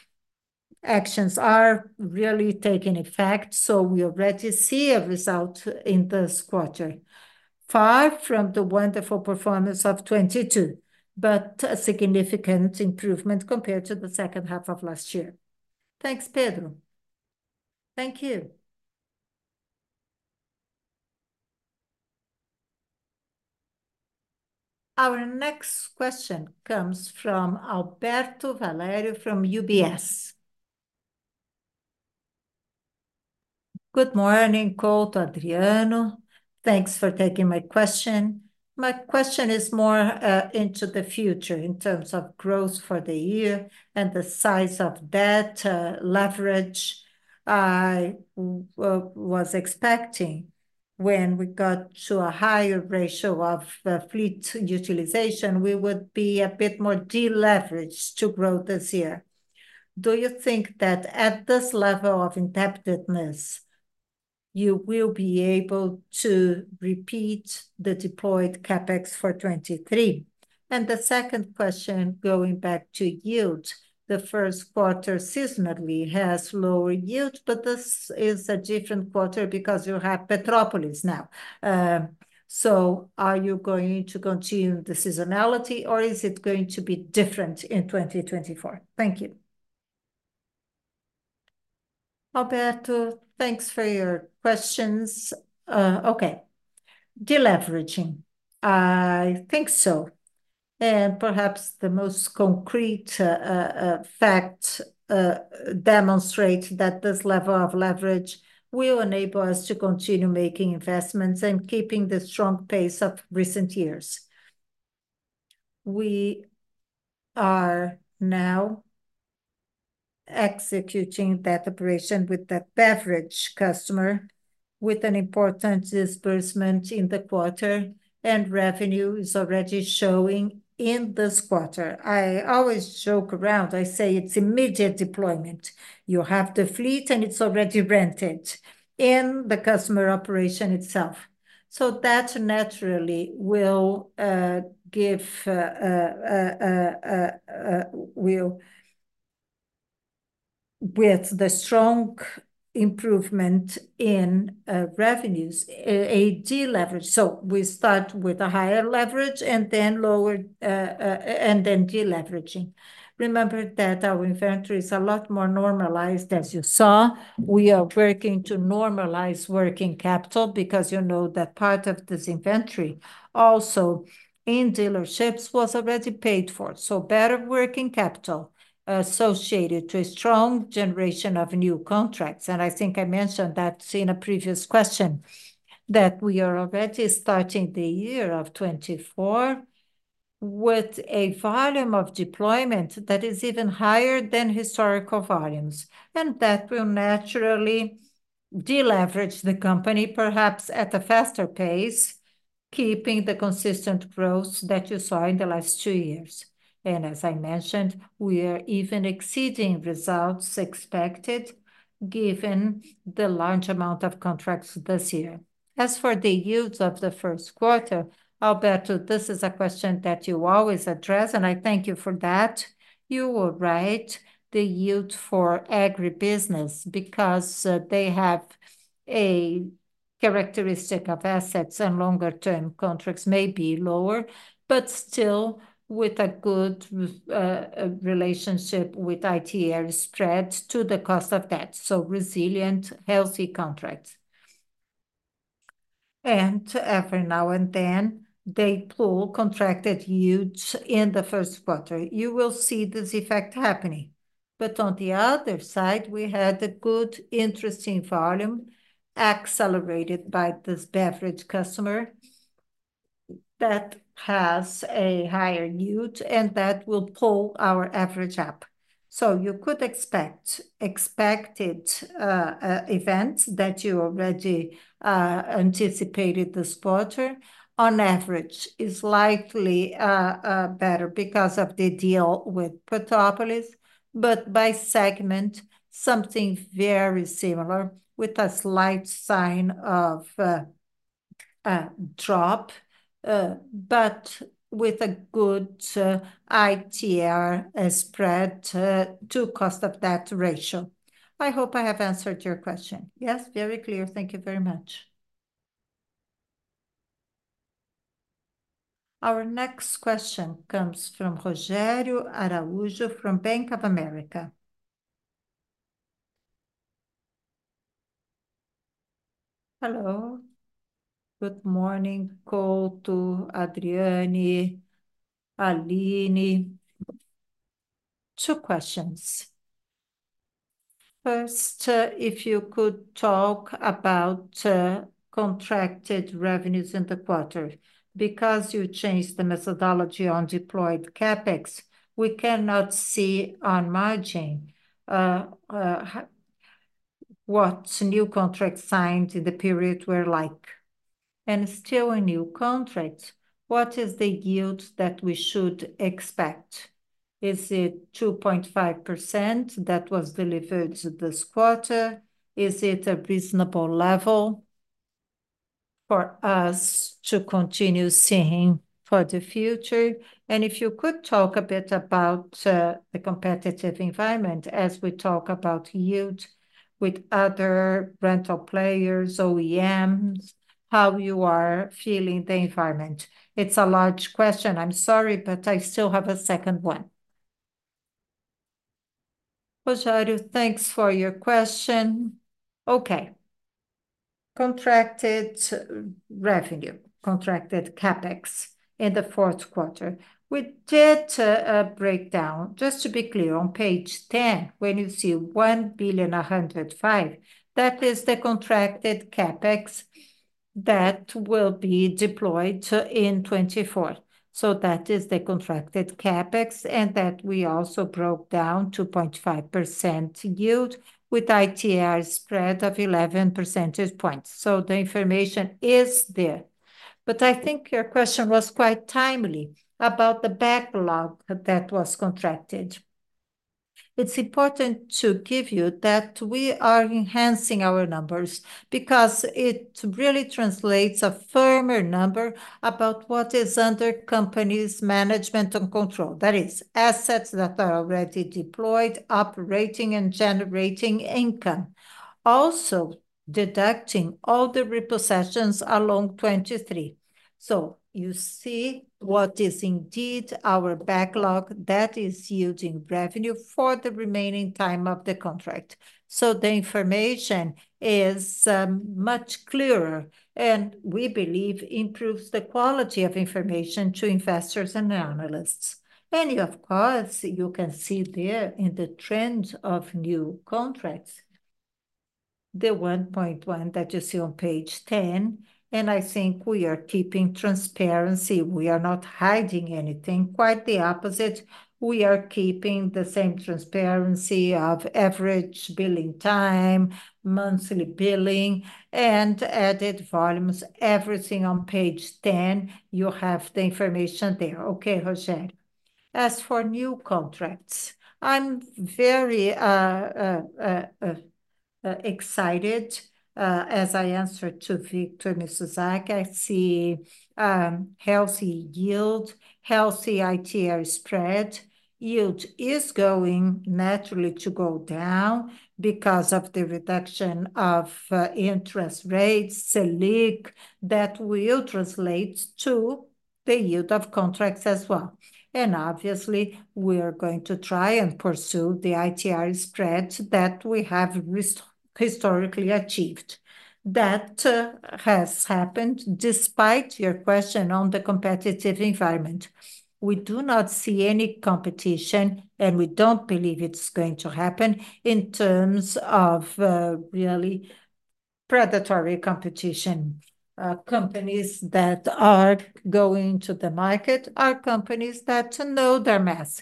Actions are really taking effect. So we already see a result in this quarter. Far from the wonderful performance of 2022, but a significant improvement compared to the second half of last year. Thanks, Pedro. Thank you. Our next question comes from Alberto Valerio from UBS. Good morning, Couto, Adriano. Thanks for taking my question. My question is more into the future in terms of growth for the year and the size of debt leverage. I was expecting when we got to a higher ratio of fleet utilization, we would be a bit more deleveraged to grow this year. Do you think that at this level of indebtedness you will be able to repeat the deployed CapEx for 2023? And the second question, going back to yield, the first quarter seasonally has lower yield, but this is a different quarter because you have Petrópolis now. So are you going to continue the seasonality, or is it going to be different in 2024? Thank you. Alberto, thanks for your questions. Okay. Deleveraging. I think so. And perhaps the most concrete fact demonstrates that this level of leverage will enable us to continue making investments and keeping the strong pace of recent years. We are now executing that operation with that beverage customer with an important disbursement in the quarter, and revenue is already showing in this quarter. I always joke around. I say it's immediate deployment. You have the fleet, and it's already rented in the customer operation itself. So that naturally will give with the strong improvement in revenues a deleverage. So we start with a higher leverage, and then lower, and then deleveraging. Remember that our inventory is a lot more normalized. As you saw, we are working to normalize working capital because, you know, that part of this inventory also in dealerships was already paid for. So better working capital, associated to a strong generation of new contracts. I think I mentioned that in a previous question that we are already starting the year of 2024 with a volume of deployment that is even higher than historical volumes, and that will naturally deleverage the company, perhaps at a faster pace, keeping the consistent growth that you saw in the last two years. As I mentioned, we are even exceeding results expected given the large amount of contracts this year. As for the yields of the first quarter, Alberto, this is a question that you always address, and I thank you for that. You will write the yield for agribusiness because they have a characteristic of assets and longer-term contracts may be lower, but still with a good relationship with IRR spread to the cost of debt. So resilient, healthy contracts. Every now and then, they pull contracted yields in the first quarter. You will see this effect happening. But on the other side, we had a good interesting volume accelerated by this beverage customer that has a higher yield, and that will pull our average up. So you could expect events that you already anticipated this quarter. On average, it's likely better because of the deal with Petrópolis, but by segment, something very similar with a slight sign of drop, but with a good IRR spread to cost of debt ratio. I hope I have answered your question. Yes, very clear. Thank you very much. Our next question comes from Rogério Araújo from Bank of America. Hello. Good morning, Couto, Adriano. Aline. Two questions. First, if you could talk about contracted revenues in the quarter. Because you changed the methodology on deployed CapEx, we cannot see, on margin, what new contracts signed in the period were like. And still a new contract. What is the yield that we should expect? Is it 2.5% that was delivered this quarter? Is it a reasonable level for us to continue seeing for the future? And if you could talk a bit about the competitive environment as we talk about yield with other rental players, OEMs, how you are feeling the environment. It's a large question. I'm sorry, but I still have a second one. Rogério, thanks for your question. Okay. Contracted revenue, contracted CapEx in the fourth quarter. We did a breakdown. Just to be clear, on page 10, when you see 1,105,000,000, that is the contracted CapEx that will be deployed in 2024. So that is the contracted CapEx, and that we also broke down 2.5% yield with IRR spread of 11 percentage points. So the information is there. But I think your question was quite timely about the backlog that was contracted. It's important to give you that we are enhancing our numbers because it really translates a firmer number about what is under companies' management and control. That is assets that are already deployed, operating, and generating income. Also deducting all the repossessions along 2023. So you see what is indeed our backlog. That is yielding revenue for the remaining time of the contract. So the information is, much clearer, and we believe improves the quality of information to investors and analysts. And you, of course, you can see there in the trend of new contracts. The 1.1 that you see on page 10, and I think we are keeping transparency. We are not hiding anything. Quite the opposite. We are keeping the same transparency of average billing time, monthly billing, and added volumes. Everything on page 10, you have the information there. Okay, Rogério. As for new contracts, I'm very excited, as I answered to Victor and Mizusaki. I see healthy yield, healthy IRR spread. Yield is going naturally to go down because of the reduction of interest rates, Selic, that will translate to the yield of contracts as well. And obviously, we are going to try and pursue the IRR spread that we have historically achieved. That has happened despite your question on the competitive environment. We do not see any competition, and we don't believe it's going to happen in terms of really predatory competition. Companies that are going to the market are companies that know their math,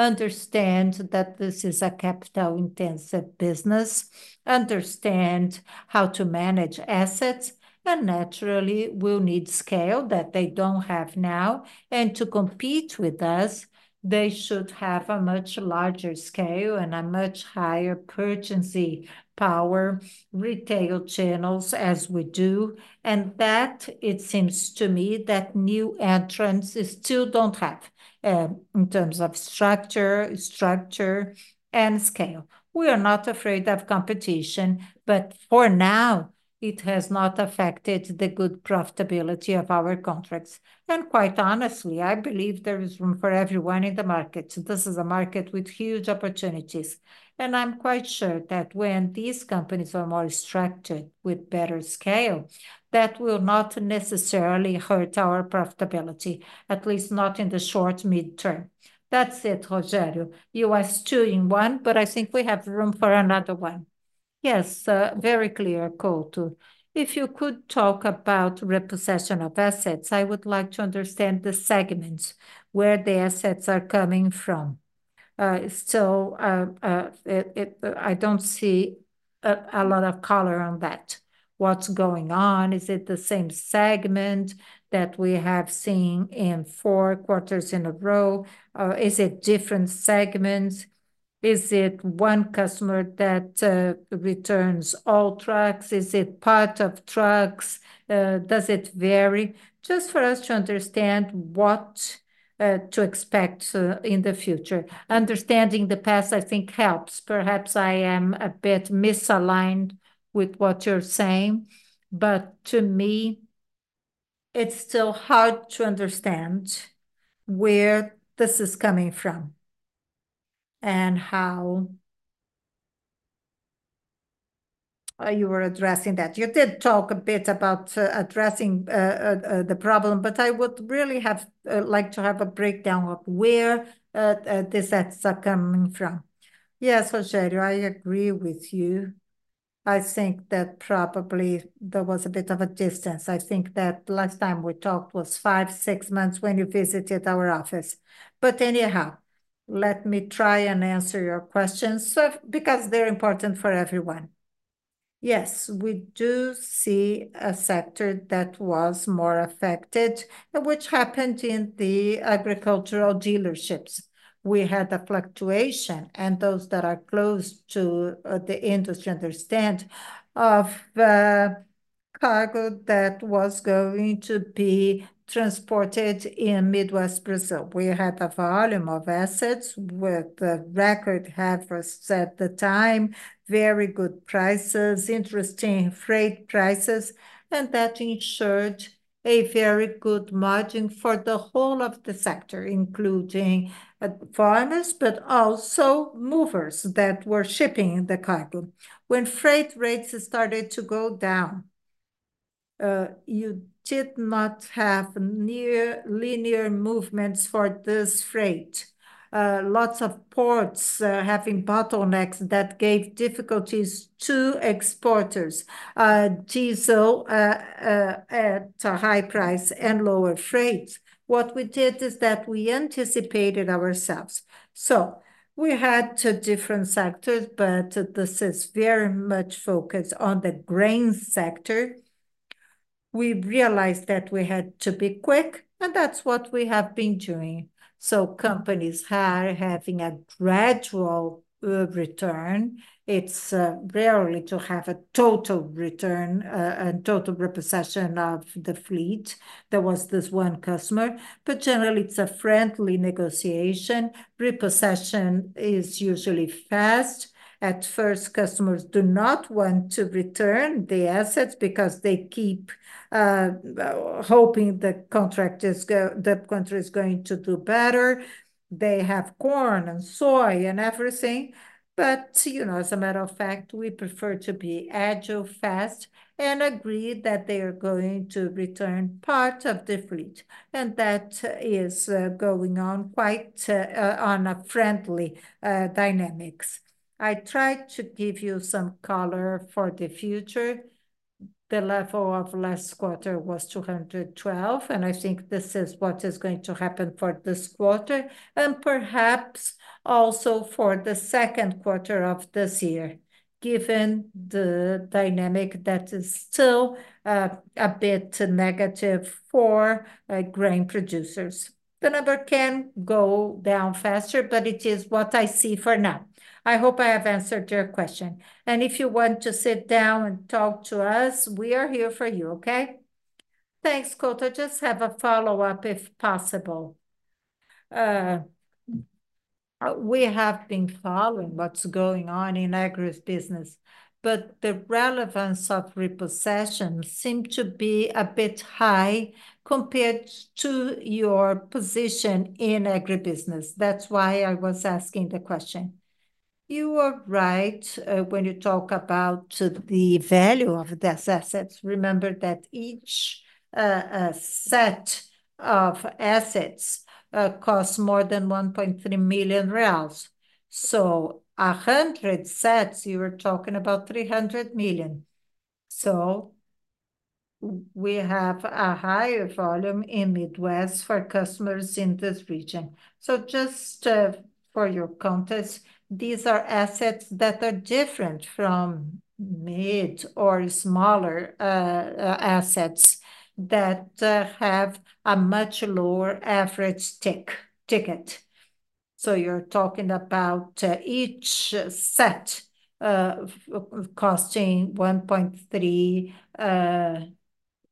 understand that this is a capital-intensive business, understand how to manage assets, and naturally will need scale that they don't have now. And to compete with us, they should have a much larger scale and a much higher purchasing power, retail channels as we do, and that it seems to me that new entrants still don't have, in terms of structure and scale. We are not afraid of competition, but for now, it has not affected the good profitability of our contracts. And quite honestly, I believe there is room for everyone in the market. This is a market with huge opportunities. And I'm quite sure that when these companies are more structured with better scale, that will not necessarily hurt our profitability, at least not in the short, mid term. That's it, Rogério. You asked two in one, but I think we have room for another one. Yes, very clear, Couto. If you could talk about repossession of assets, I would like to understand the segments where the assets are coming from. Still, it I don't see a lot of color on that. What's going on? Is it the same segment that we have seen in four quarters in a row? Is it different segments? Is it one customer that returns all trucks? Is it part of trucks? Does it vary? Just for us to understand what to expect in the future. Understanding the past, I think, helps. Perhaps I am a bit misaligned with what you're saying, but to me, it's still hard to understand where this is coming from. And how you were addressing that. You did talk a bit about addressing the problem, but I would really have like to have a breakdown of where this asset's coming from. Yes, Rogério, I agree with you. I think that probably there was a bit of a distance. I think that last time we talked was five, six months when you visited our office. But anyhow, let me try and answer your questions because they're important for everyone. Yes, we do see a sector that was more affected, which happened in the agricultural dealerships. We had a fluctuation, and those that are close to the industry understand of, cargo that was going to be transported in Midwest Brazil. We had a volume of assets with a record average at the time, very good prices, interesting freight prices, and that ensured a very good margin for the whole of the sector, including, farmers, but also movers that were shipping the cargo. When freight rates started to go down, you did not have near linear movements for this freight. Lots of ports, having bottlenecks that gave difficulties to exporters. diesel, at a high price and lower freight. What we did is that we anticipated ourselves. So we had two different sectors, but this is very much focused on the grain sector. We realized that we had to be quick, and that's what we have been doing. So companies are having a gradual return. It's rarely to have a total return, and total repossession of the fleet. There was this one customer, but generally, it's a friendly negotiation. Repossession is usually fast. At first, customers do not want to return the assets because they keep hoping the contract is going, the country is going to do better. They have corn and soy and everything. But, you know, as a matter of fact, we prefer to be agile, fast, and agree that they are going to return part of the fleet, and that is going on quite on a friendly dynamics. I tried to give you some color for the future. The level of last quarter was 212, and I think this is what is going to happen for this quarter, and perhaps also for the second quarter of this year, given the dynamic that is still a bit negative for grain producers. The number can go down faster, but it is what I see for now. I hope I have answered your question. And if you want to sit down and talk to us, we are here for you. Okay. Thanks, Couto. Just have a follow-up if possible. We have been following what's going on in agribusiness, but the relevance of repossession seemed to be a bit high compared to your position in agribusiness. That's why I was asking the question. You are right when you talk about the value of these assets. Remember that each set of assets costs more than 1.3 million reais. So 100 sets, you were talking about 300 million. So we have a higher volume in Midwest for customers in this region. So just for your context, these are assets that are different from mid or smaller assets that have a much lower average ticket. So you're talking about each set costing 1.3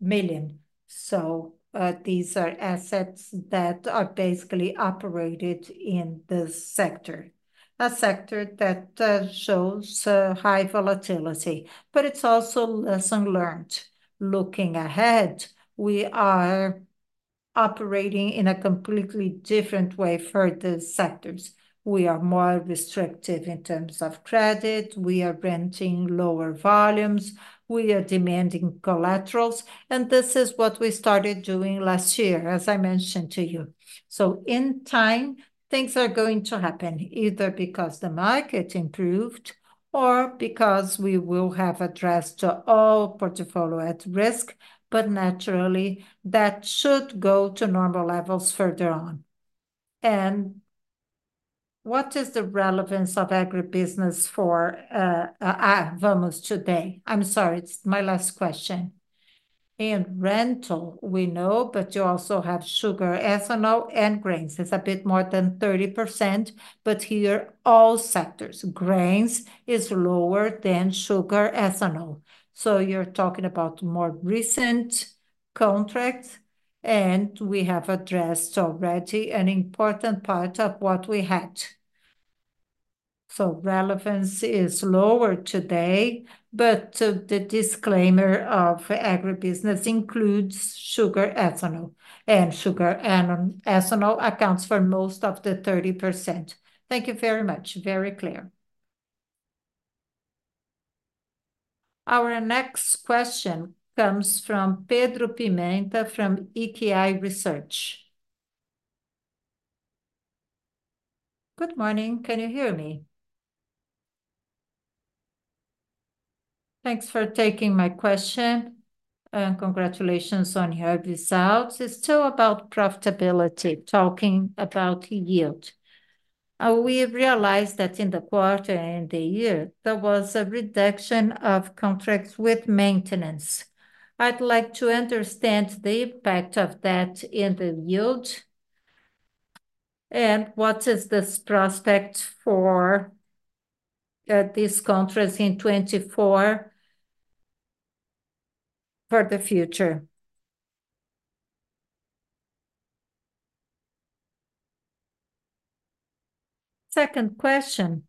million. So these are assets that are basically operated in this sector. A sector that shows a high volatility, but it's also a lesson learned. Looking ahead, we are operating in a completely different way for the sectors. We are more restrictive in terms of credit. We are renting lower volumes. We are demanding collaterals, and this is what we started doing last year, as I mentioned to you. So in time, things are going to happen, either because the market improved or because we will have addressed all portfolio at risk, but naturally, that should go to normal levels further on. And what is the relevance of agribusiness for Vamos today? I'm sorry. It's my last question. In rental, we know, but you also have sugar, ethanol, and grains. It's a bit more than 30%, but here, all sectors, grains are lower than sugar, ethanol. So you're talking about more recent contracts, and we have addressed already an important part of what we had. So relevance is lower today, but the disclaimer of agribusiness includes sugar, ethanol, and sugar, and ethanol accounts for most of the 30%. Thank you very much. Very clear. Our next question comes from Pedro Pimenta, from EQI Research. Good morning. Can you hear me? Thanks for taking my question. Congratulations on your results. It's still about profitability, talking about yield. We realized that in the quarter and the year, there was a reduction of contracts with maintenance. I'd like to understand the impact of that in the yield. And what is this prospect for these contracts in 2024 for the future? Second question.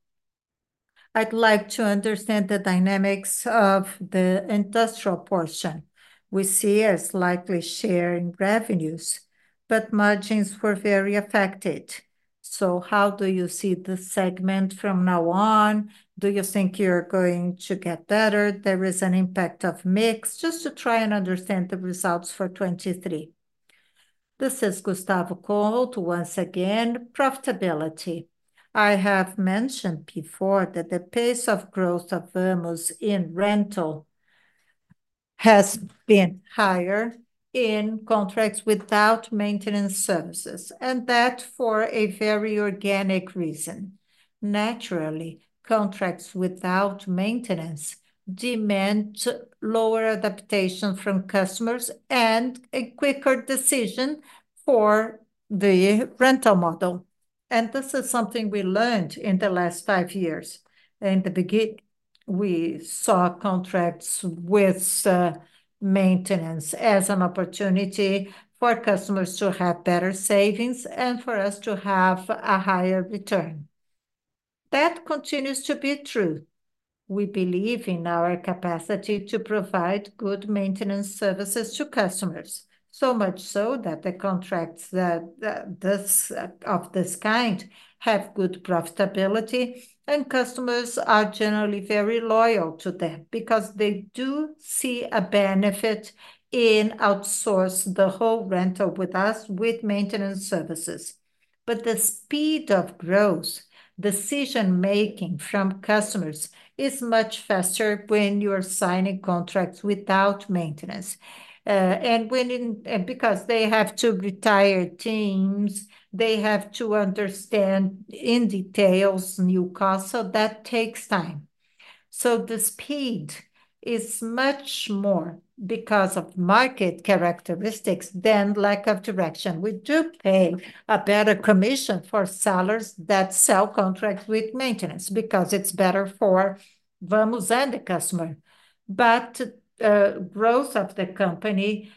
I'd like to understand the dynamics of the industrial portion. We see a slightly sharing revenues, but margins were very affected. So how do you see the segment from now on? Do you think you're going to get better? There is an impact of mix just to try and understand the results for 2023. This is Gustavo Couto. Once again, profitability. I have mentioned before that the pace of growth of Vamos in rental has been higher in contracts without maintenance services, and that for a very organic reason. Naturally, contracts without maintenance demand lower adaptation from customers and a quicker decision for the rental model. And this is something we learned in the last five years. In the beginning, we saw contracts with maintenance as an opportunity for customers to have better savings and for us to have a higher return. That continues to be true. We believe in our capacity to provide good maintenance services to customers, so much so that the contracts of this kind have good profitability, and customers are generally very loyal to them because they do see a benefit in outsourcing the whole rental with us with maintenance services. But the speed of growth, decision-making from customers is much faster when you're signing contracts without maintenance, and because they have to retire teams, they have to understand in details new costs, so that takes time. So the speed is much more because of market characteristics than lack of direction. We do pay a better commission for sellers that sell contracts with maintenance because it's better for Vamos and the customer. But growth of the company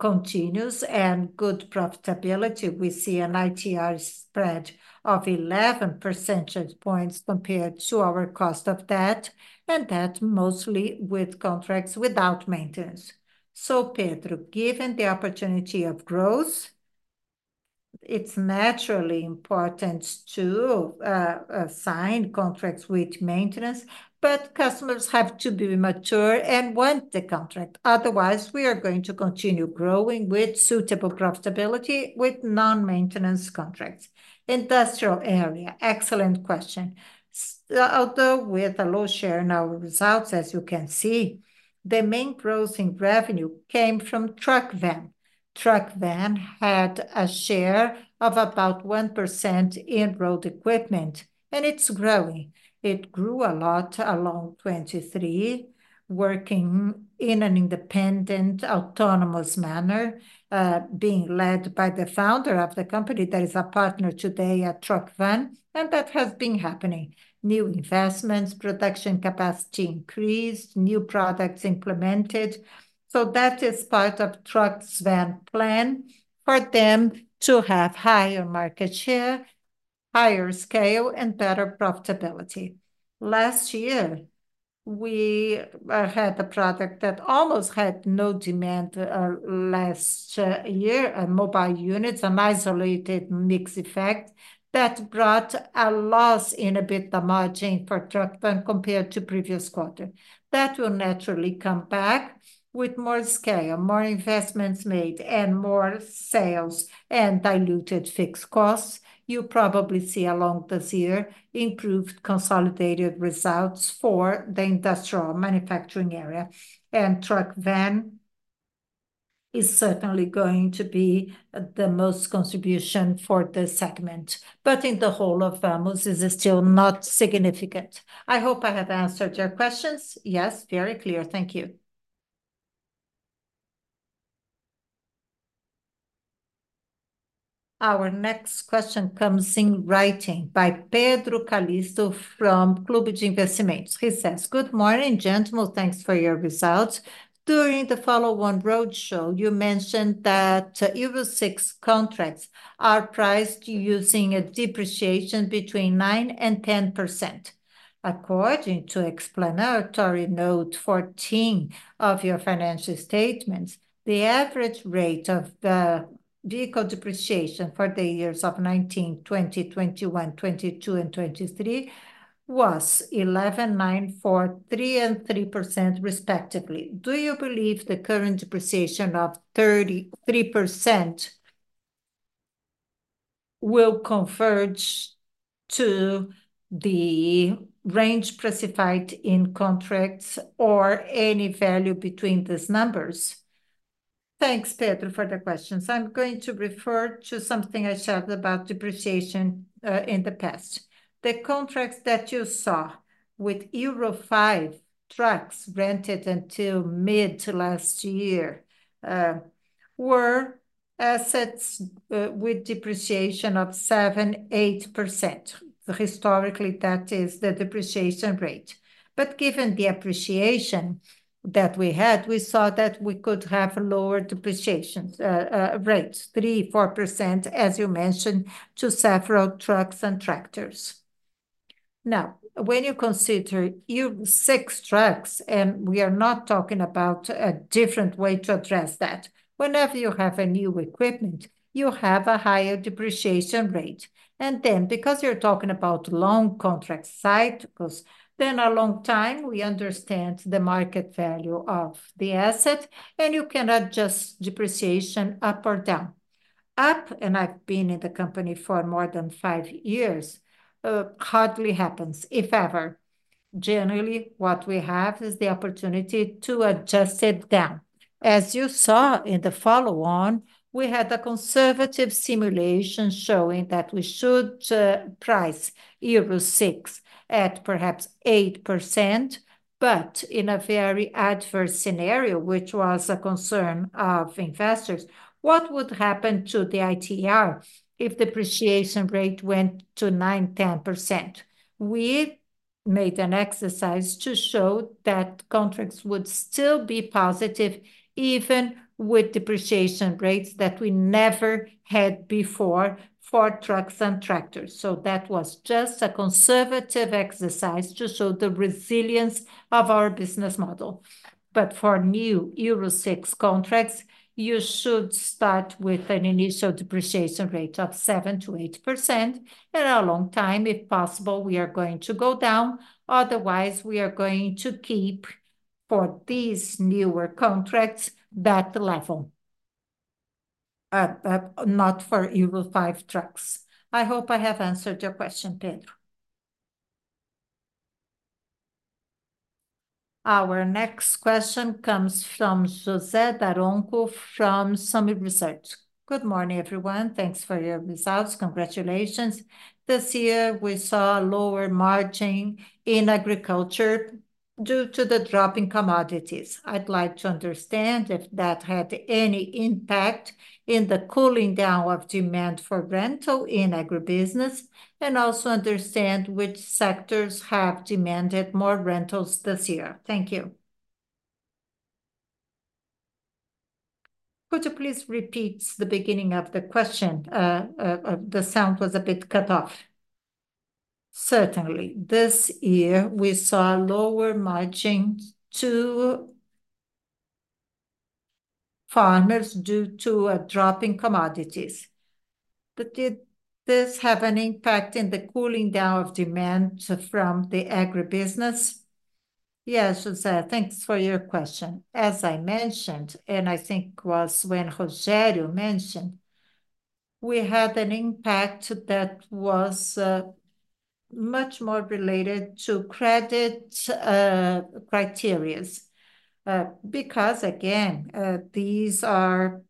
continues, and good profitability. We see an IRR spread of 11 percentage points compared to our cost of that, and that mostly with contracts without maintenance. So, Pedro, given the opportunity of growth, it's naturally important to sign contracts with maintenance, but customers have to be mature and want the contract. Otherwise, we are going to continue growing with suitable profitability with non-maintenance contracts. Industrial area. Excellent question. Although with a low share in our results, as you can see, the main growth in revenue came from Truckvan. Truckvan had a share of about 1% in road equipment, and it's growing. It grew a lot along 2023, working in an independent, autonomous manner, being led by the founder of the company that is a partner today at Truckvan, and that has been happening. New investments, production capacity increased, new products implemented. So that is part of Truckvan's plan for them to have higher market share, higher scale, and better profitability. Last year, we had a product that almost had no demand, last year, a mobile unit, an isolated mix effect that brought a loss in a bit the margin for Truckvan compared to previous quarter. That will naturally come back with more scale, more investments made, and more sales, and diluted fixed costs. You probably see along this year improved consolidated results for the industrial manufacturing area, and Truckvan is certainly going to be the most contribution for this segment, but in the whole of Vamos is still not significant. I hope I have answered your questions. Yes, very clear. Thank you. Our next question comes in writing by Pedro Calixto from Clube de Investimento Lublin. He says, "Good morning, gentlemen. Thanks for your results. During the follow-on roadshow, you mentioned that Euro 6 contracts are priced using a depreciation between 9%-10%. According to explanatory note 14 of your financial statements, the average rate of the vehicle depreciation for the years of 2019, 2020, 2021, 2022, and 2023 was 11%, 9%, 4%, 3%, and 3%, respectively. Do you believe the current depreciation of 33% will converge to the range priced in contracts or any value between these numbers?" Thanks, Pedro, for the questions. I'm going to refer to something I shared about depreciation in the past. The contracts that you saw with Euro 5 trucks rented until mid- to late last year were assets with depreciation of 7%-8%. Historically, that is the depreciation rate. But given the appreciation that we had, we saw that we could have lower depreciation rates, 3%-4%, as you mentioned, for several trucks and tractors. Now, when you consider Euro 6 trucks, and we are not talking about a different way to address that. Whenever you have a new equipment, you have a higher depreciation rate. Because you're talking about a long contract site, because then a long time we understand the market value of the asset, and you can adjust depreciation up or down. Up, and I've been in the company for more than five years. Hardly happens, if ever. Generally, what we have is the opportunity to adjust it down. As you saw in the follow-on, we had a conservative simulation showing that we should price Euro 6 at perhaps 8%, but in a very adverse scenario, which was a concern of investors, what would happen to the IRR if depreciation rate went to 9%-10%? We made an exercise to show that contracts would still be positive, even with depreciation rates that we never had before for trucks and tractors. That was just a conservative exercise to show the resilience of our business model. But for new Euro 6 contracts, you should start with an initial depreciation rate of 7%-8%. And a long time, if possible, we are going to go down. Otherwise, we are going to keep for these newer contracts that level. Not for Euro 5 trucks. I hope I have answered your question, Pedro. Our next question comes from José Daronco from Suno Research. Good morning, everyone. Thanks for your results. Congratulations. This year, we saw a lower margin in agriculture due to the drop in commodities. I'd like to understand if that had any impact in the cooling down of demand for rental in agribusiness, and also understand which sectors have demanded more rentals this year. Thank you. Could you please repeat the beginning of the question? The sound was a bit cut off. Certainly. This year, we saw a lower margin to farmers due to a drop in commodities. But did this have an impact in the cooling down of demand from the agribusiness? Yes, José, thanks for your question. As I mentioned, and I think was when Rogério mentioned, we had an impact that was much more related to credit criteria, because, again, these are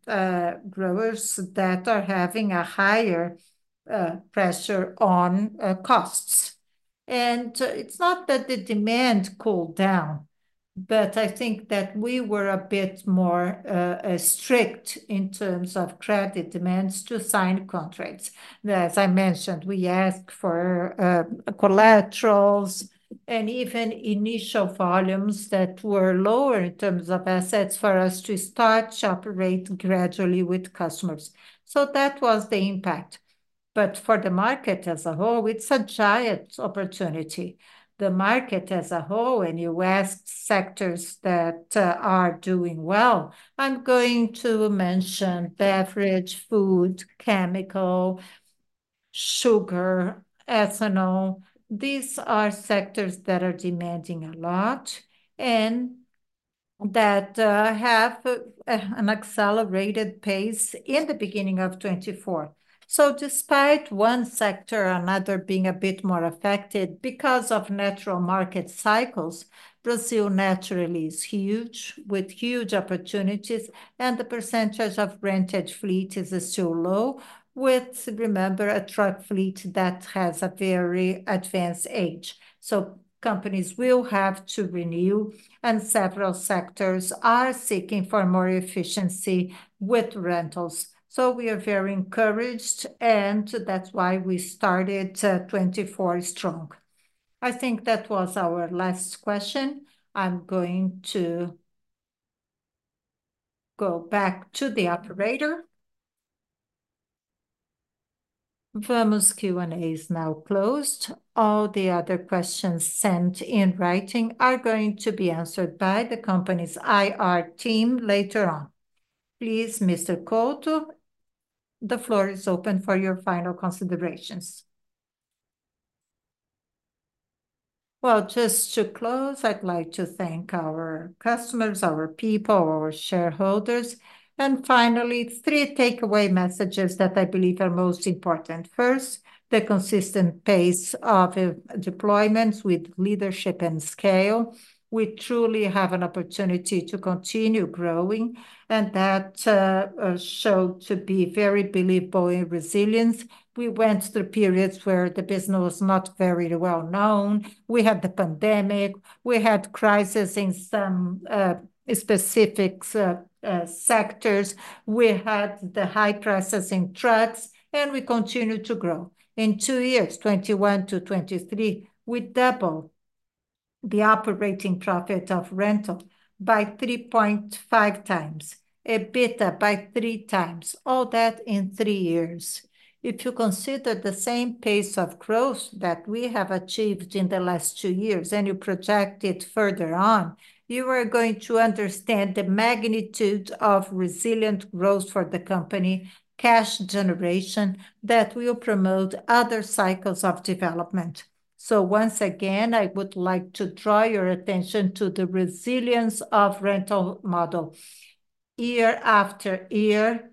growers that are having a higher pressure on costs. And it's not that the demand cooled down, but I think that we were a bit more strict in terms of credit demands to sign contracts. As I mentioned, we asked for collaterals and even initial volumes that were lower in terms of assets for us to start to operate gradually with customers. So that was the impact. But for the market as a whole, it's a giant opportunity. The market as a whole, when you ask sectors that are doing well, I'm going to mention beverage, food, chemical, sugar, ethanol. These are sectors that are demanding a lot and that have an accelerated pace in the beginning of 2024. So despite one sector or another being a bit more affected because of natural market cycles, Brazil naturally is huge with huge opportunities, and the percentage of rented fleet is still low, with, remember, a truck fleet that has a very advanced age. So companies will have to renew, and several sectors are seeking for more efficiency with rentals. So we are very encouraged, and that's why we started 2024 strong. I think that was our last question. I'm going to go back to the operator. Vamos Q&A is now closed. All the other questions sent in writing are going to be answered by the company's IR team later on. Please, Mr. Couto. The floor is open for your final considerations. Well, just to close, I'd like to thank our customers, our people, our shareholders, and finally, three takeaway messages that I believe are most important. First, the consistent pace of deployments with leadership and scale. We truly have an opportunity to continue growing, and that showed to be very believable in resilience. We went through periods where the business was not very well known. We had the pandemic. We had crises in some specific sectors. We had the high prices in trucks, and we continue to grow. In two years, 2021-2023, we doubled the operating profit of rental by 3.5x, EBITDA by 3x. All that in three years. If you consider the same pace of growth that we have achieved in the last two years, and you project it further on, you are going to understand the magnitude of resilient growth for the company, cash generation that will promote other cycles of development. So once again, I would like to draw your attention to the resilience of the rental model. Year after year,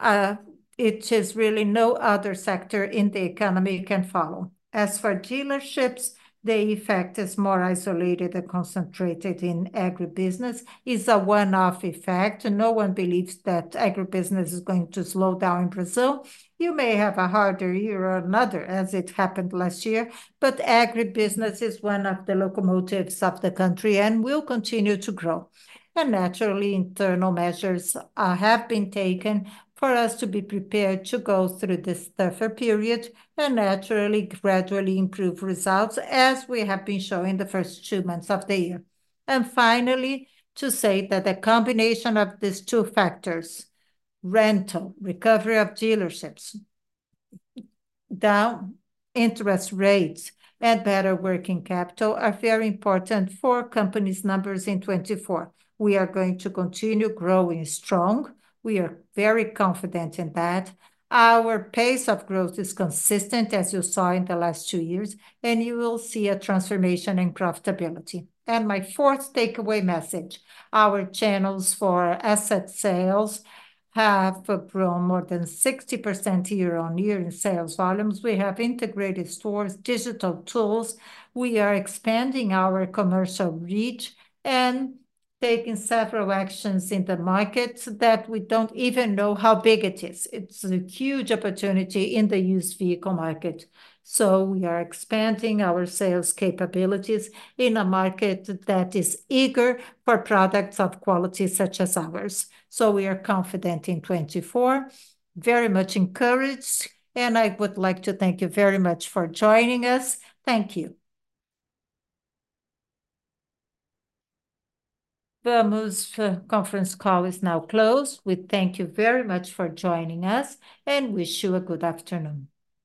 it is really no other sector in the economy can follow. As for dealerships, the effect is more isolated and concentrated in agribusiness. It is a one-off effect. No one believes that agribusiness is going to slow down in Brazil. You may have a harder year or another, as it happened last year, but agribusiness is one of the locomotives of the country and will continue to grow. And naturally, internal measures have been taken for us to be prepared to go through this tougher period and naturally gradually improve results, as we have been showing the first two months of the year. And finally, to say that the combination of these two factors, rental, recovery of dealerships, down interest rates, and better working capital are very important for companies' numbers in 2024. We are going to continue growing strong. We are very confident in that. Our pace of growth is consistent, as you saw in the last two years, and you will see a transformation in profitability. And my 4th takeaway message. Our channels for asset sales have grown more than 60% year-on-year in sales volumes. We have integrated stores, digital tools. We are expanding our commercial reach and taking several actions in the markets that we don't even know how big it is. It's a huge opportunity in the used vehicle market. So we are expanding our sales capabilities in a market that is eager for products of quality such as ours. So we are confident in 2024. Very much encouraged, and I would like to thank you very much for joining us. Thank you. Vamos conference call is now closed. We thank you very much for joining us, and wish you a good afternoon.